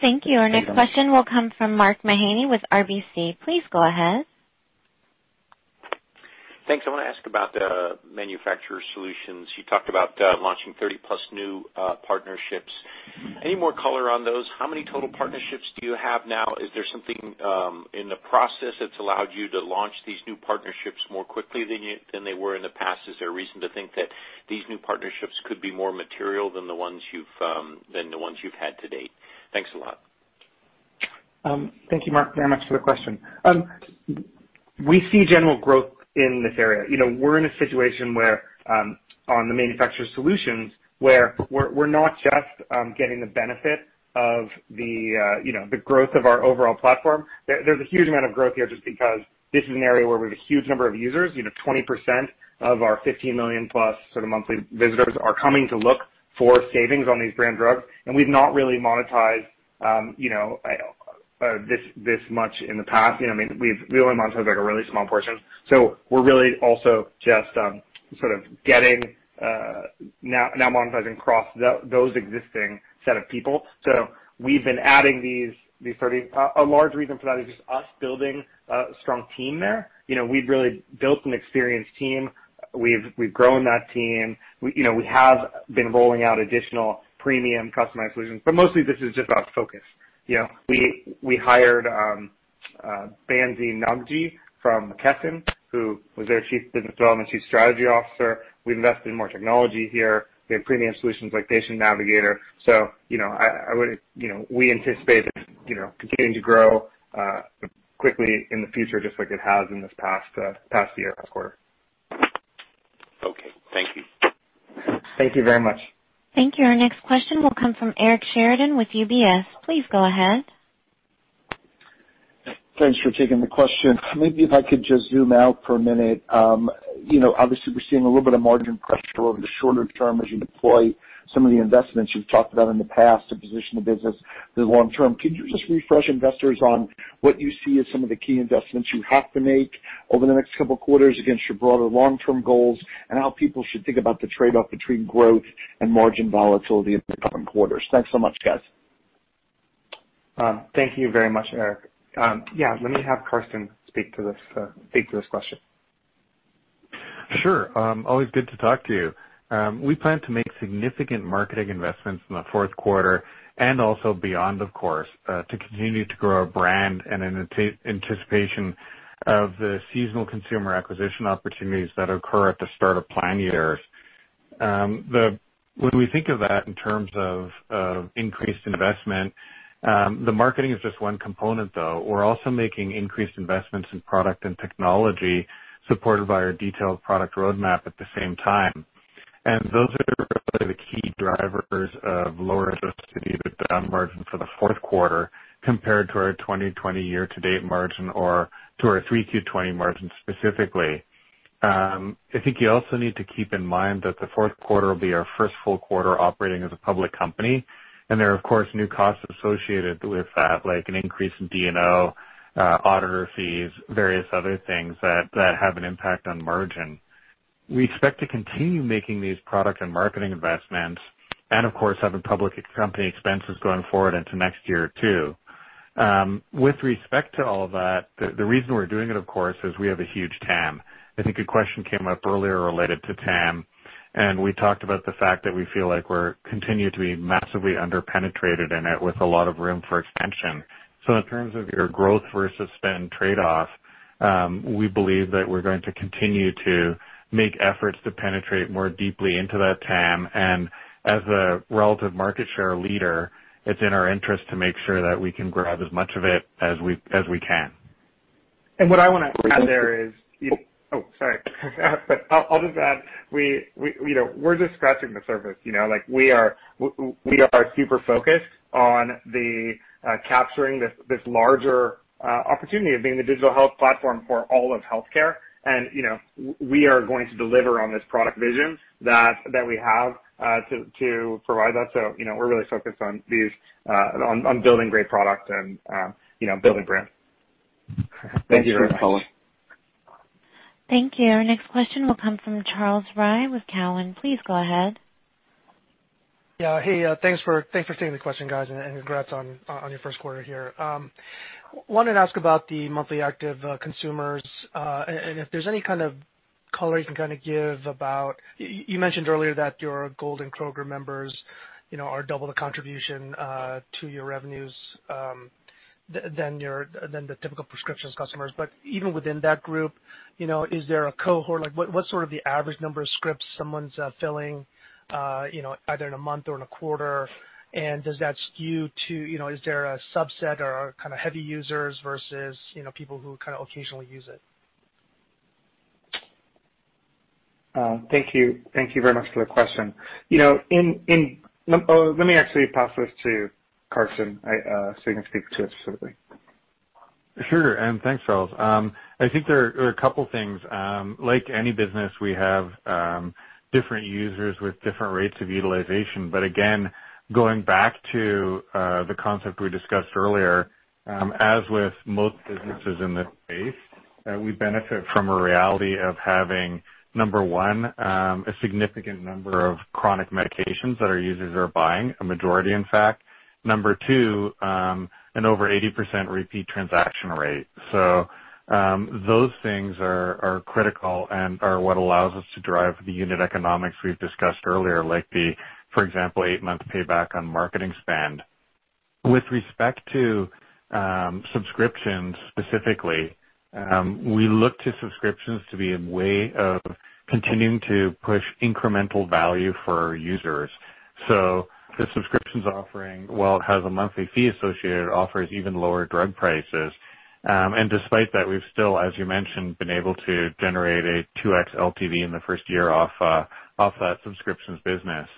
Thank you. Our next question will come from Mark Mahaney with RBC. Please go ahead. Thanks. I want to ask about the Manufacturer Solutions. You talked about launching 30+ new partnerships. Any more color on those? How many total partnerships do you have now? Is there something in the process that's allowed you to launch these new partnerships more quickly than they were in the past? Is there a reason to think that these new partnerships could be more material than the ones you've had to date? Thanks a lot. Thank you, Mark, very much for the question. We see general growth in this area. We're in a situation where on the Manufacturer Solutions, where we're not just getting the benefit of the growth of our overall platform. There's a huge amount of growth here just because this is an area where we have a huge number of users. 20% of our 15-million-plus sort of monthly visitors are coming to look for savings on these brand drugs, and we've not really monetized this much in the past. We only monetized a really small portion. We're really also just sort of now monetizing across those existing set of people. We've been adding these 30. A large reason for that is just us building a strong team there. We've really built an experienced team. We've grown that team. We have been rolling out additional premium customized solutions, but mostly this is just about focus. We hired Bansi Nagji from McKesson, who was their Chief Business Development, Chief Strategy Officer. We invested in more technology here. We have premium solutions like Patient Navigator. We anticipate this continuing to grow quickly in the future, just like it has in this past year, last quarter. Okay. Thank you. Thank you very much. Thank you. Our next question will come from Eric Sheridan with UBS. Please go ahead. Thanks for taking the question. Maybe if I could just zoom out for one minute. Obviously, we're seeing a little bit of margin pressure over the shorter term as you deploy some of the investments you've talked about in the past to position the business for the long term. Could you just refresh investors on what you see as some of the key investments you have to make over the next couple of quarters against your broader long-term goals, and how people should think about the trade-off between growth and margin volatility in the coming quarters? Thanks so much, guys. Thank you very much, Eric. Yeah, let me have Karsten speak to this question. Sure. Always good to talk to you. We plan to make significant marketing investments in the fourth quarter and also beyond, of course, to continue to grow our brand and in anticipation of the seasonal consumer acquisition opportunities that occur at the start of plan years. When we think of that in terms of increased investment, the marketing is just one component, though. We're also making increased investments in product and technology, supported by our detailed product roadmap at the same time. Those are really the key drivers of lower gross margin for the fourth quarter compared to our 2020 year-to-date margin or to our 3Q 2020 margin specifically. I think you also need to keep in mind that the fourth quarter will be our first full quarter operating as a public company, and there are, of course, new costs associated with that, like an increase in D&O, auditor fees, various other things that have an impact on margin. We expect to continue making these product and marketing investments and, of course, have public company expenses going forward into next year, too. With respect to all of that, the reason we're doing it, of course, is we have a huge TAM. I think a question came up earlier related to TAM, and we talked about the fact that we feel like we continue to be massively under-penetrated in it with a lot of room for expansion. In terms of your growth versus spend trade-off, we believe that we're going to continue to make efforts to penetrate more deeply into that TAM. As a relative market share leader, it's in our interest to make sure that we can grab as much of it as we can. I'll just add, we're just scratching the surface. We are super focused on capturing this larger opportunity of being the digital health platform for all of healthcare. We are going to deliver on this product vision that we have to provide that. We're really focused on building great product and building brand. Thank you very much. Thanks. Thank you. Our next question will come from Charles Rhyee with Cowen. Please go ahead. Yeah. Hey, thanks for taking the question, guys, and congrats on your first quarter here. Wanted to ask about the monthly active consumers, and if there's any kind of color you can give. You mentioned earlier that your Gold and Kroger members are double the contribution to your revenues than the typical prescriptions customers. Even within that group, is there a cohort? What's sort of the average number of scripts someone's filling either in a month or in a quarter? Is there a subset or kind of heavy users versus people who kind of occasionally use it? Thank you. Thank you very much for the question. Let me actually pass this to Karsten so he can speak to it specifically. Sure, thanks, Charles. I think there are a couple things. Like any business, we have different users with different rates of utilization. Again, going back to the concept we discussed earlier, as with most businesses in this space, we benefit from a reality of having, number one, a significant number of chronic medications that our users are buying. A majority, in fact. Number two, an over 80% repeat transaction rate. Those things are critical and are what allows us to drive the unit economics we've discussed earlier, like the, for example, eight-month payback on marketing spend. With respect to subscriptions specifically, we look to subscriptions to be a way of continuing to push incremental value for our users. The subscriptions offering, while it has a monthly fee associated, offers even lower drug prices. Despite that, we've still, as you mentioned, been able to generate a 2x LTV in the first year off that subscriptions business.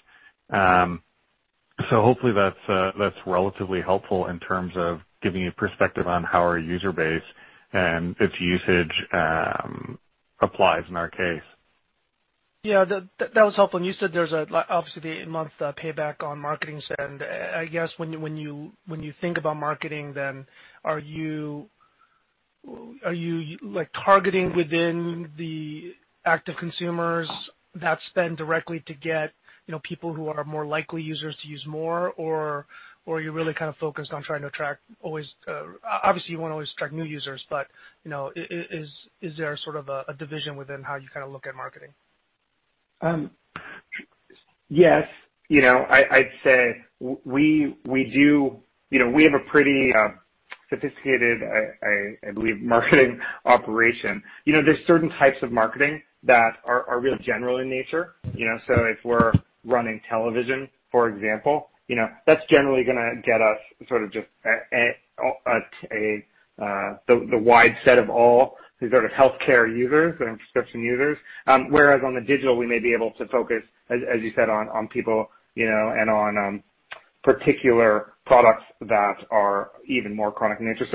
Hopefully that's relatively helpful in terms of giving you perspective on how our user base and its usage applies in our case. Yeah, that was helpful. You said there's obviously the eight-month payback on marketing spend. I guess when you think about marketing then, are you targeting within the active consumers that spend directly to get people who are more likely users to use more, or are you really focused on trying to attract obviously, you want to always attract new users, but is there a sort of a division within how you look at marketing? Yes. I'd say we have a pretty sophisticated, I believe, marketing operation. There's certain types of marketing that are real general in nature. If we're running television, for example, that's generally going to get us sort of just the wide set of all the sort of healthcare users and prescription users. On the digital, we may be able to focus, as you said, on people and on particular products that are even more chronic in nature.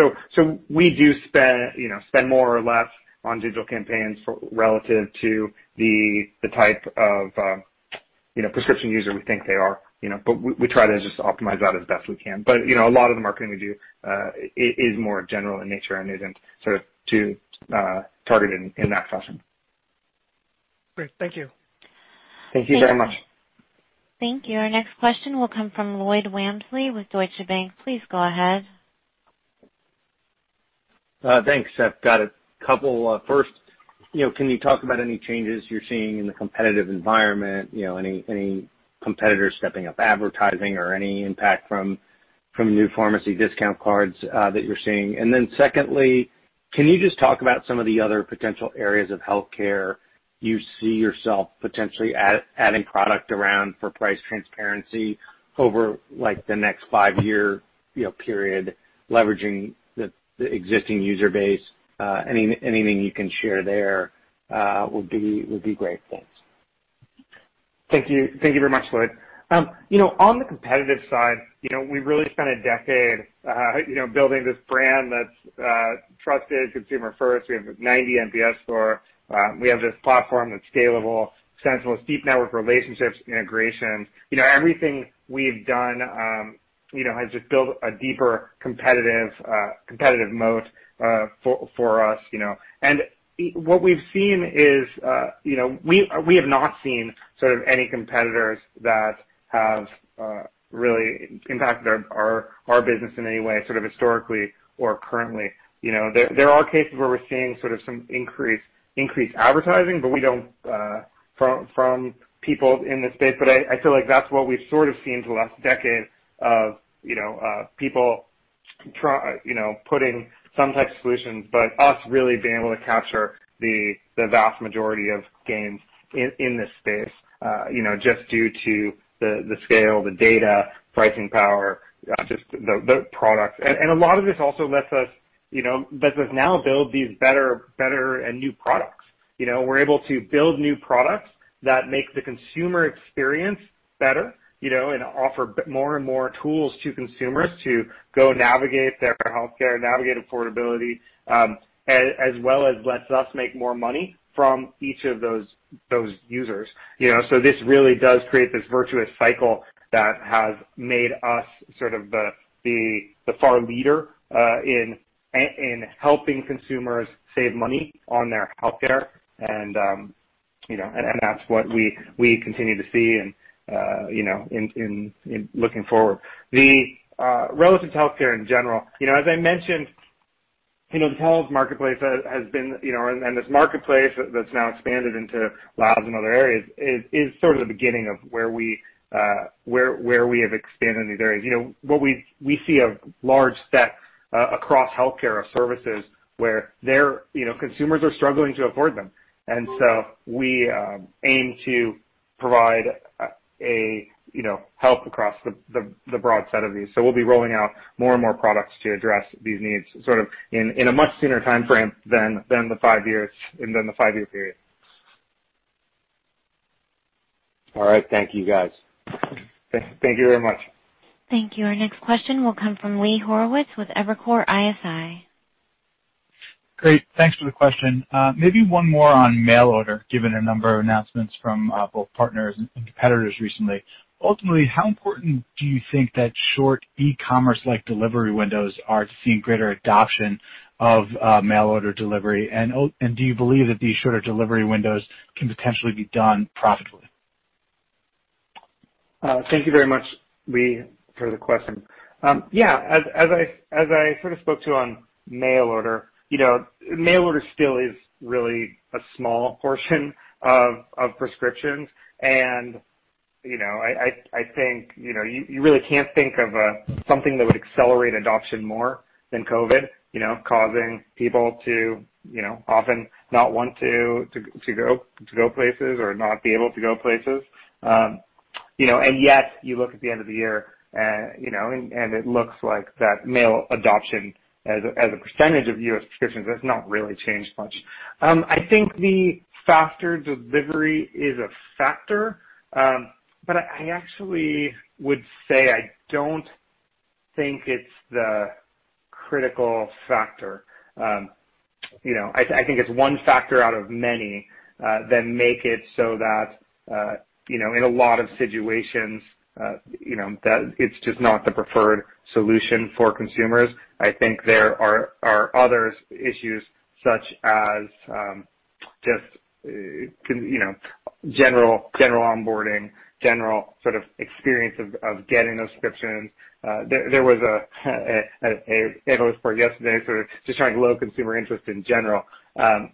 We try to just optimize that as best we can. A lot of the marketing we do is more general in nature and isn't sort of targeted in that fashion. Great. Thank you. Thank you very much. Thank you. Our next question will come from Lloyd Walmsley with Deutsche Bank. Please go ahead. Thanks. I've got a couple. First, can you talk about any changes you're seeing in the competitive environment, any competitors stepping up advertising or any impact from new pharmacy discount cards that you're seeing? Secondly, can you just talk about some of the other potential areas of healthcare you see yourself potentially adding product around for price transparency over the next five-year period, leveraging the existing user base? Anything you can share there would be great. Thanks. Thank you very much, Lloyd. On the competitive side, we've really spent a decade building this brand that's trusted, consumer first. We have this 90 NPS score. We have this platform that's scalable, central, steep network relationships, integrations. Everything we've done has just built a deeper competitive moat for us. What we've seen is, we have not seen any competitors that have really impacted our business in any way, historically or currently. There are cases where we're seeing some increased advertising from people in this space, but I feel like that's what we've sort of seen for the last decade of people putting some type of solutions, but us really being able to capture the vast majority of gains in this space just due to the scale, the data, pricing power, just the product. A lot of this also lets us now build these better and new products. We're able to build new products that make the consumer experience better and offer more and more tools to consumers to go navigate their healthcare, navigate affordability, as well as lets us make more money from each of those users. This really does create this virtuous cycle that has made us the far leader in helping consumers save money on their healthcare and that's what we continue to see in looking forward. Relative to healthcare in general, as I mentioned, the telehealth marketplace has been, and this marketplace that's now expanded into labs and other areas, is sort of the beginning of where we have expanded in these areas. We see a large set across healthcare of services where consumers are struggling to afford them. We aim to provide help across the broad set of these. We'll be rolling out more and more products to address these needs in a much sooner timeframe than the five-year period. All right. Thank you guys. Thank you very much. Thank you. Our next question will come from Lee Horowitz with Evercore ISI. Great. Thanks for the question. Maybe one more on mail order, given a number of announcements from both partners and competitors recently. Ultimately, how important do you think that short e-commerce-like delivery windows are to seeing greater adoption of mail order delivery? Do you believe that these shorter delivery windows can potentially be done profitably? Thank you very much, Lee, for the question. Yeah. As I spoke to on mail order, mail order still is really a small portion of prescriptions, I think you really can't think of something that would accelerate adoption more than COVID, causing people to often not want to go places or not be able to go places. Yet you look at the end of the year and it looks like that mail adoption as a percentage of U.S. prescriptions has not really changed much. I think the faster delivery is a factor. I actually would say I don't think it's the critical factor. I think it's one factor out of many that make it so that in a lot of situations that it's just not the preferred solution for consumers. I think there are other issues such as just general onboarding, general experience of getting those prescriptions. There was an analyst report yesterday sort of just showing low consumer interest in general. I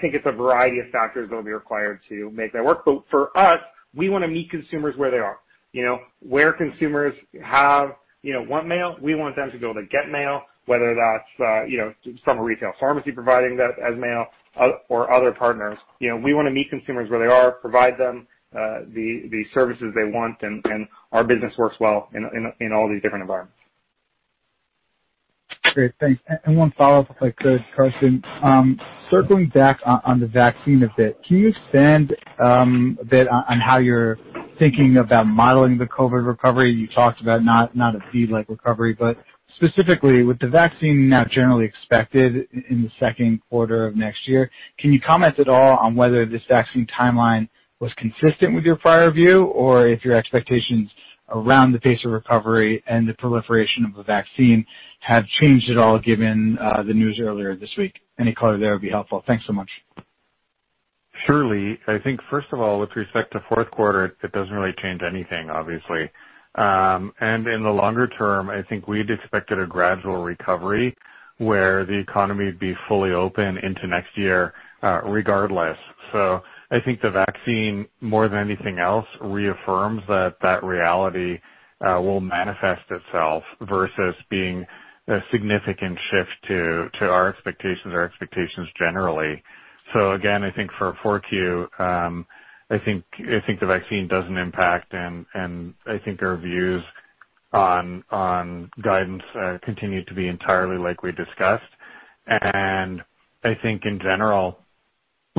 think it's a variety of factors that will be required to make that work. For us, we want to meet consumers where they are. Where consumers want mail, we want them to be able to get mail, whether that's from a retail pharmacy providing that as mail or other partners. We want to meet consumers where they are, provide them the services they want, and our business works well in all these different environments. Great. Thanks. One follow-up, if I could, Karsten. Circling back on the vaccine a bit, can you expand a bit on how you're thinking about modeling the COVID-19 recovery? You talked about not a V-like recovery, but specifically with the vaccine now generally expected in the second quarter of next year, can you comment at all on whether this vaccine timeline was consistent with your prior view? Or if your expectations around the pace of recovery and the proliferation of the vaccine have changed at all given the news earlier this week? Any color there would be helpful. Thanks so much. Surely. I think first of all, with respect to fourth quarter, it doesn't really change anything, obviously. In the longer term, I think we'd expected a gradual recovery where the economy would be fully open into next year, regardless. I think the vaccine, more than anything else, reaffirms that that reality will manifest itself versus being a significant shift to our expectations or expectations generally. Again, I think for 4Q, I think the vaccine doesn't impact, and I think our views on guidance continue to be entirely like we discussed. I think in general,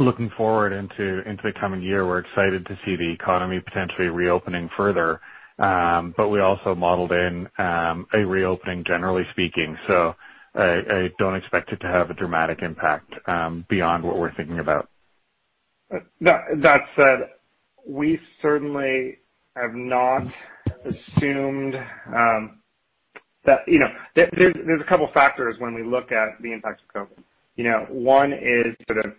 looking forward into the coming year, we're excited to see the economy potentially reopening further. We also modeled in a reopening, generally speaking. I don't expect it to have a dramatic impact beyond what we're thinking about. That said, we certainly have not assumed that. There's a couple factors when we look at the impacts of COVID. One is sort of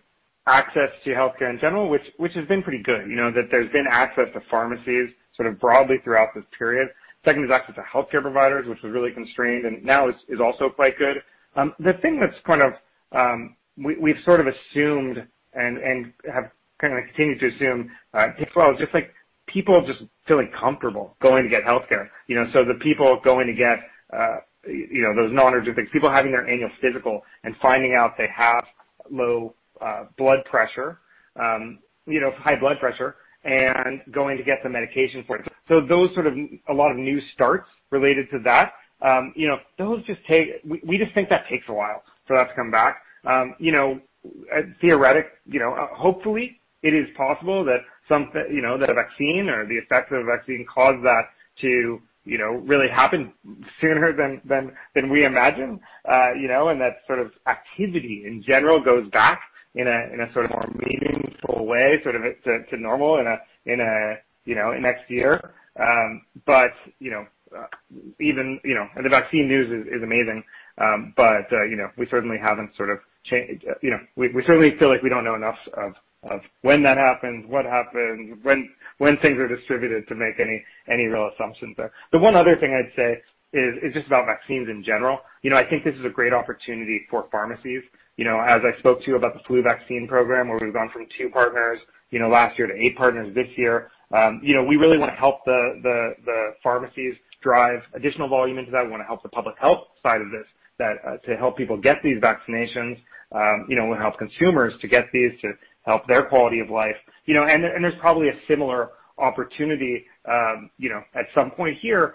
access to healthcare in general, which has been pretty good, that there's been access to pharmacies sort of broadly throughout this period. Second is access to healthcare providers, which was really constrained and now is also quite good. The thing that we've sort of assumed and have kind of continued to assume as well, just people just feeling comfortable going to get healthcare. The people going to get those non-urgent things. People having their annual physical and finding out they have low blood pressure, high blood pressure, and going to get the medication for it. Those sort of a lot of new starts related to that. We just think that takes a while for that to come back. Hopefully, it is possible that a vaccine or the effects of a vaccine cause that to really happen sooner than we imagine. That sort of activity in general goes back in a sort of more meaningful way, sort of to normal in next year. The vaccine news is amazing. We certainly feel like we don't know enough of when that happens, what happens, when things are distributed to make any real assumptions there. The one other thing I'd say is just about vaccines in general. I think this is a great opportunity for pharmacies. As I spoke to you about the flu vaccine program, where we've gone from two partners last year to eight partners this year. We really want to help the pharmacies drive additional volume into that. We want to help the public health side of this to help people get these vaccinations. We want to help consumers to get these to help their quality of life. There's probably a similar opportunity at some point here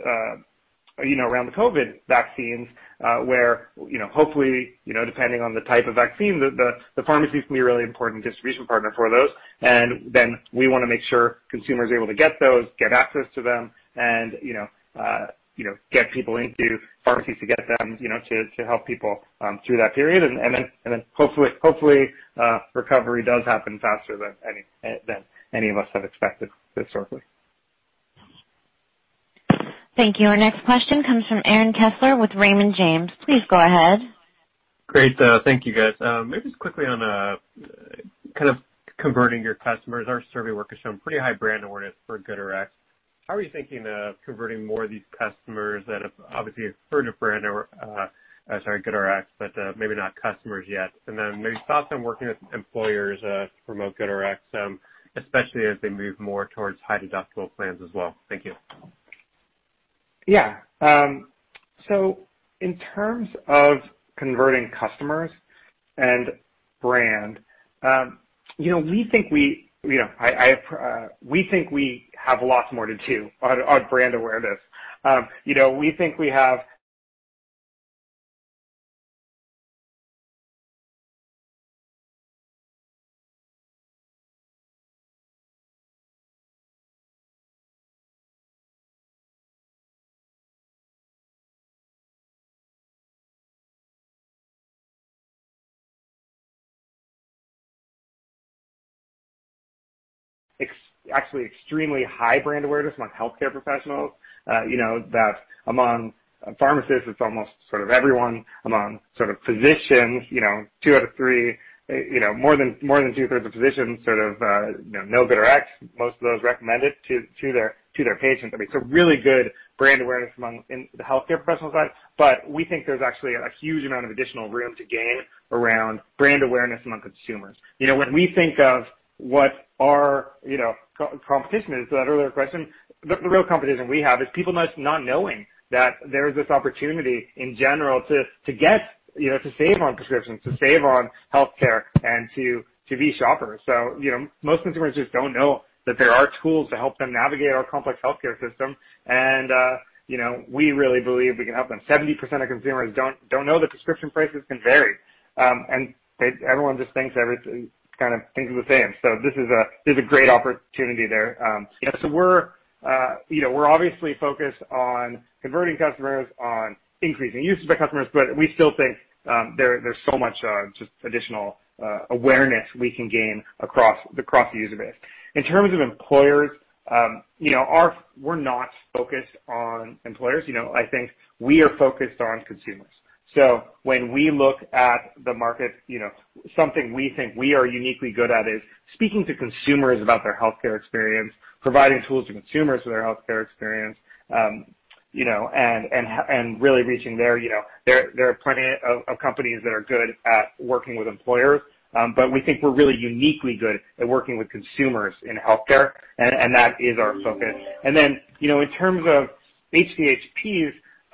around the COVID vaccines, where hopefully, depending on the type of vaccine, the pharmacies can be a really important distribution partner for those. We want to make sure consumers are able to get those, get access to them, and get people into pharmacies to get them to help people through that period. Hopefully, recovery does happen faster than any of us have expected historically. Thank you. Our next question comes from Aaron Kessler with Raymond James. Please go ahead. Great. Thank you, guys. Maybe just quickly on kind of converting your customers. Our survey work has shown pretty high brand awareness for GoodRx. How are you thinking of converting more of these customers that have obviously heard of GoodRx, but maybe not customers yet? Maybe thoughts on working with employers to promote GoodRx, especially as they move more towards High-Deductible Health Plans as well. Thank you. Yeah. In terms of converting customers and brand, we think we have lots more to do on brand awareness. We think we have actually extremely high brand awareness among healthcare professionals. Among pharmacists, it's almost sort of everyone. Among physicians, two out of three, more than two-thirds of physicians know GoodRx. Most of those recommend it to their patients. I mean, really good brand awareness in the healthcare professional side. We think there's actually a huge amount of additional room to gain around brand awareness among consumers. When we think of what our competition is, to that earlier question, the real competition we have is people not knowing that there is this opportunity in general to save on prescriptions, to save on healthcare, and to be shoppers. Most consumers just don't know that there are tools to help them navigate our complex healthcare system, and we really believe we can help them. 70% of consumers don't know that prescription prices can vary. Everyone just thinks everything is the same. This is a great opportunity there. We're obviously focused on converting customers, on increasing usage by customers, but we still think there's so much just additional awareness we can gain across the user base. In terms of employers, we're not focused on employers. I think we are focused on consumers. When we look at the market, something we think we are uniquely good at is speaking to consumers about their healthcare experience, providing tools to consumers for their healthcare experience, and really reaching there. There are plenty of companies that are good at working with employers. We think we're really uniquely good at working with consumers in healthcare, and that is our focus. In terms of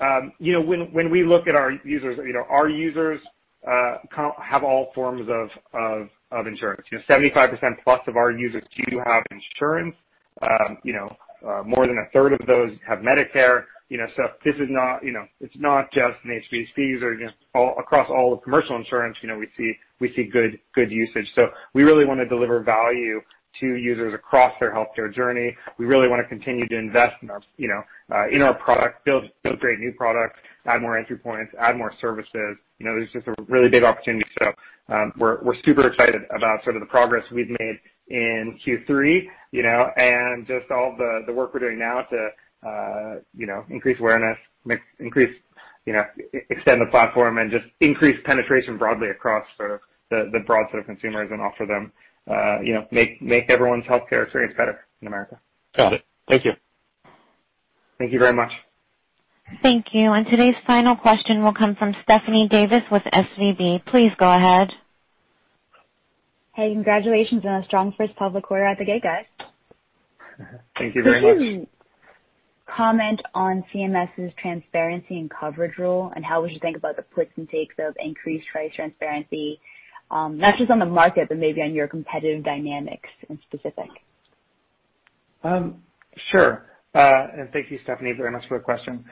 HDHPs, when we look at our users, our users have all forms of insurance. 75%+ of our users do have insurance. More than a third of those have Medicare. It's not just an HDHPs or across all of commercial insurance, we see good usage. We really want to deliver value to users across their healthcare journey. We really want to continue to invest in our product, build great new products, add more entry points, add more services. There's just a really big opportunity. We're super excited about sort of the progress we've made in Q3, and just all the work we're doing now to increase awareness, extend the platform, and just increase penetration broadly across the broad set of consumers and make everyone's healthcare experience better in America. Got it. Thank you. Thank you very much. Thank you. Today's final question will come from Stephanie Davis with SVB. Please go ahead. Hey, congratulations on a strong first public quarter out the gate, guys. Thank you very much. Could you comment on CMS's Transparency in Coverage Rule, and how we should think about the puts and takes of increased price transparency, not just on the market, but maybe on your competitive dynamics in specific? Sure. Thank you, Stephanie, very much for the question.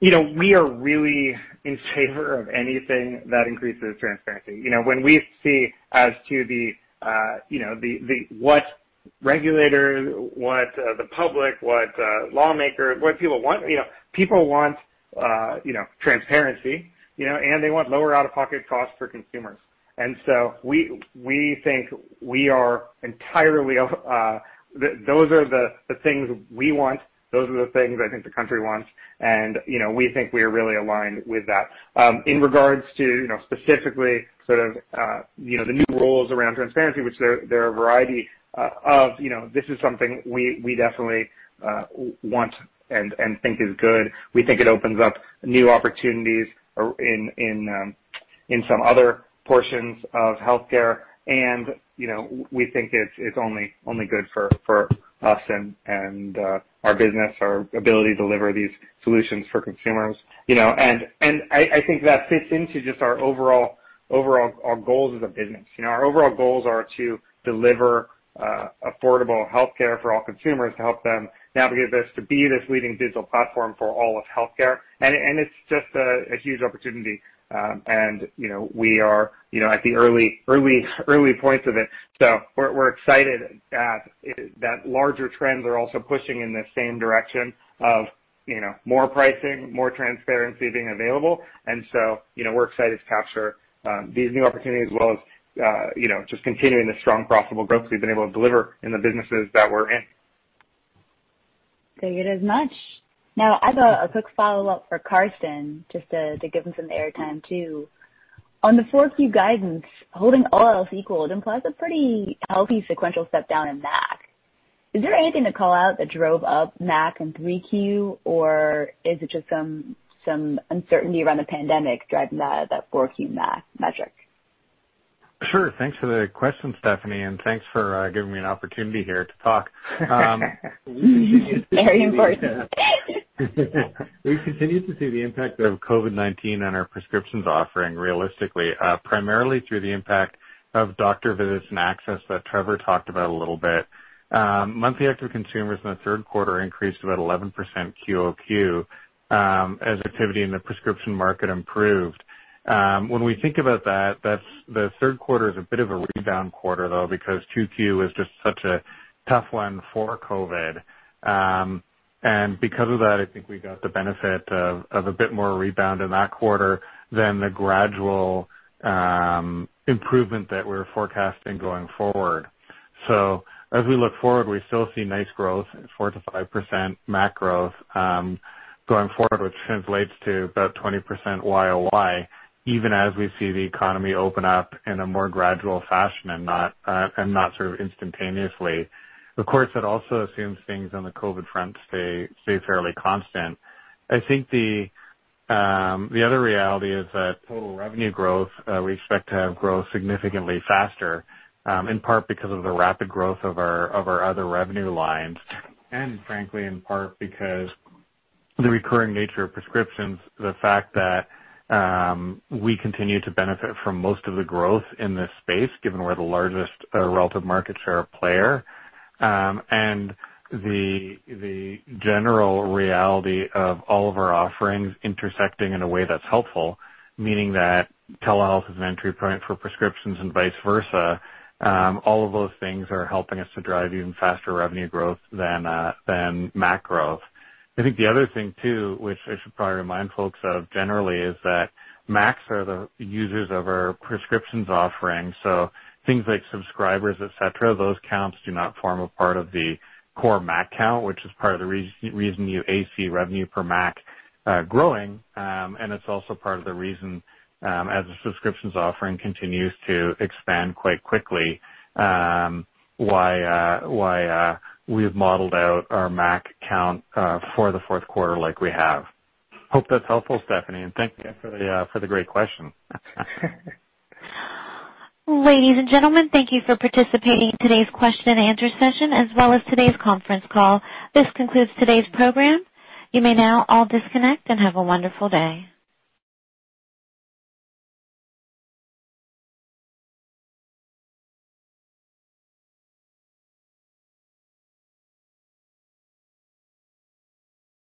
We are really in favor of anything that increases transparency. When we see as to what regulators, what the public, what lawmakers, what people want, people want transparency, and they want lower out-of-pocket costs for consumers. We think those are the things we want, those are the things I think the country wants, and we think we are really aligned with that. In regards to specifically the new rules around transparency, which there are a variety of, this is something we definitely want and think is good. We think it opens up new opportunities in some other portions of healthcare, and we think it's only good for us and our business, our ability to deliver these solutions for consumers. I think that fits into just our overall goals as a business. Our overall goals are to deliver affordable healthcare for all consumers, to help them navigate this, to be this leading digital platform for all of healthcare. It's just a huge opportunity. We are at the early points of it. We're excited that larger trends are also pushing in the same direction of more pricing, more transparency being available. We're excited to capture these new opportunities as well as just continuing the strong profitable growth we've been able to deliver in the businesses that we're in. Thank you as much. I've a quick follow-up for Karsten, just to give him some air time, too. On the 4Q guidance, holding all else equal, it implies a pretty healthy sequential step down in MAC. Is there anything to call out that drove up MAC in 3Q, or is it just some uncertainty around the pandemic driving that 4Q MAC metric? Sure. Thanks for the question, Stephanie, and thanks for giving me an opportunity here to talk. Very important. We've continued to see the impact of COVID-19 on our prescriptions offering realistically, primarily through the impact of doctor visits and access that Trevor talked about a little bit. Monthly active consumers in the third quarter increased about 11% QoQ, as activity in the prescription market improved. When we think about that, the third quarter is a bit of a rebound quarter, though, because 2Q is just such a tough one for COVID. Because of that, I think we got the benefit of a bit more rebound in that quarter than the gradual improvement that we're forecasting going forward. As we look forward, we still see nice growth, 4%-5% MAC growth, going forward, which translates to about 20% YoY, even as we see the economy open up in a more gradual fashion and not sort of instantaneously. Of course, that also assumes things on the COVID front stay fairly constant. I think the other reality is that total revenue growth, we expect to have growth significantly faster, in part because of the rapid growth of our other revenue lines, and frankly, in part because the recurring nature of prescriptions, the fact that we continue to benefit from most of the growth in this space, given we're the largest relative market share player, and the general reality of all of our offerings intersecting in a way that's helpful, meaning that telehealth is an entry point for prescriptions and vice versa. All of those things are helping us to drive even faster revenue growth than MAC growth. I think the other thing, too, which I should probably remind folks of generally, is that MACs are the users of our prescriptions offering, so things like subscribers, etc, those counts do not form a part of the core MAC count, which is part of the reason you see revenue per MAC growing. It's also part of the reason, as the subscriptions offering continues to expand quite quickly, why we've modeled out our MAC count for the fourth quarter like we have. Hope that's helpful, Stephanie, and thank you for the great question. Ladies and gentlemen, thank you for participating in today's question and answer session as well as today's conference call. This concludes today's program. You may now all disconnect and have a wonderful day.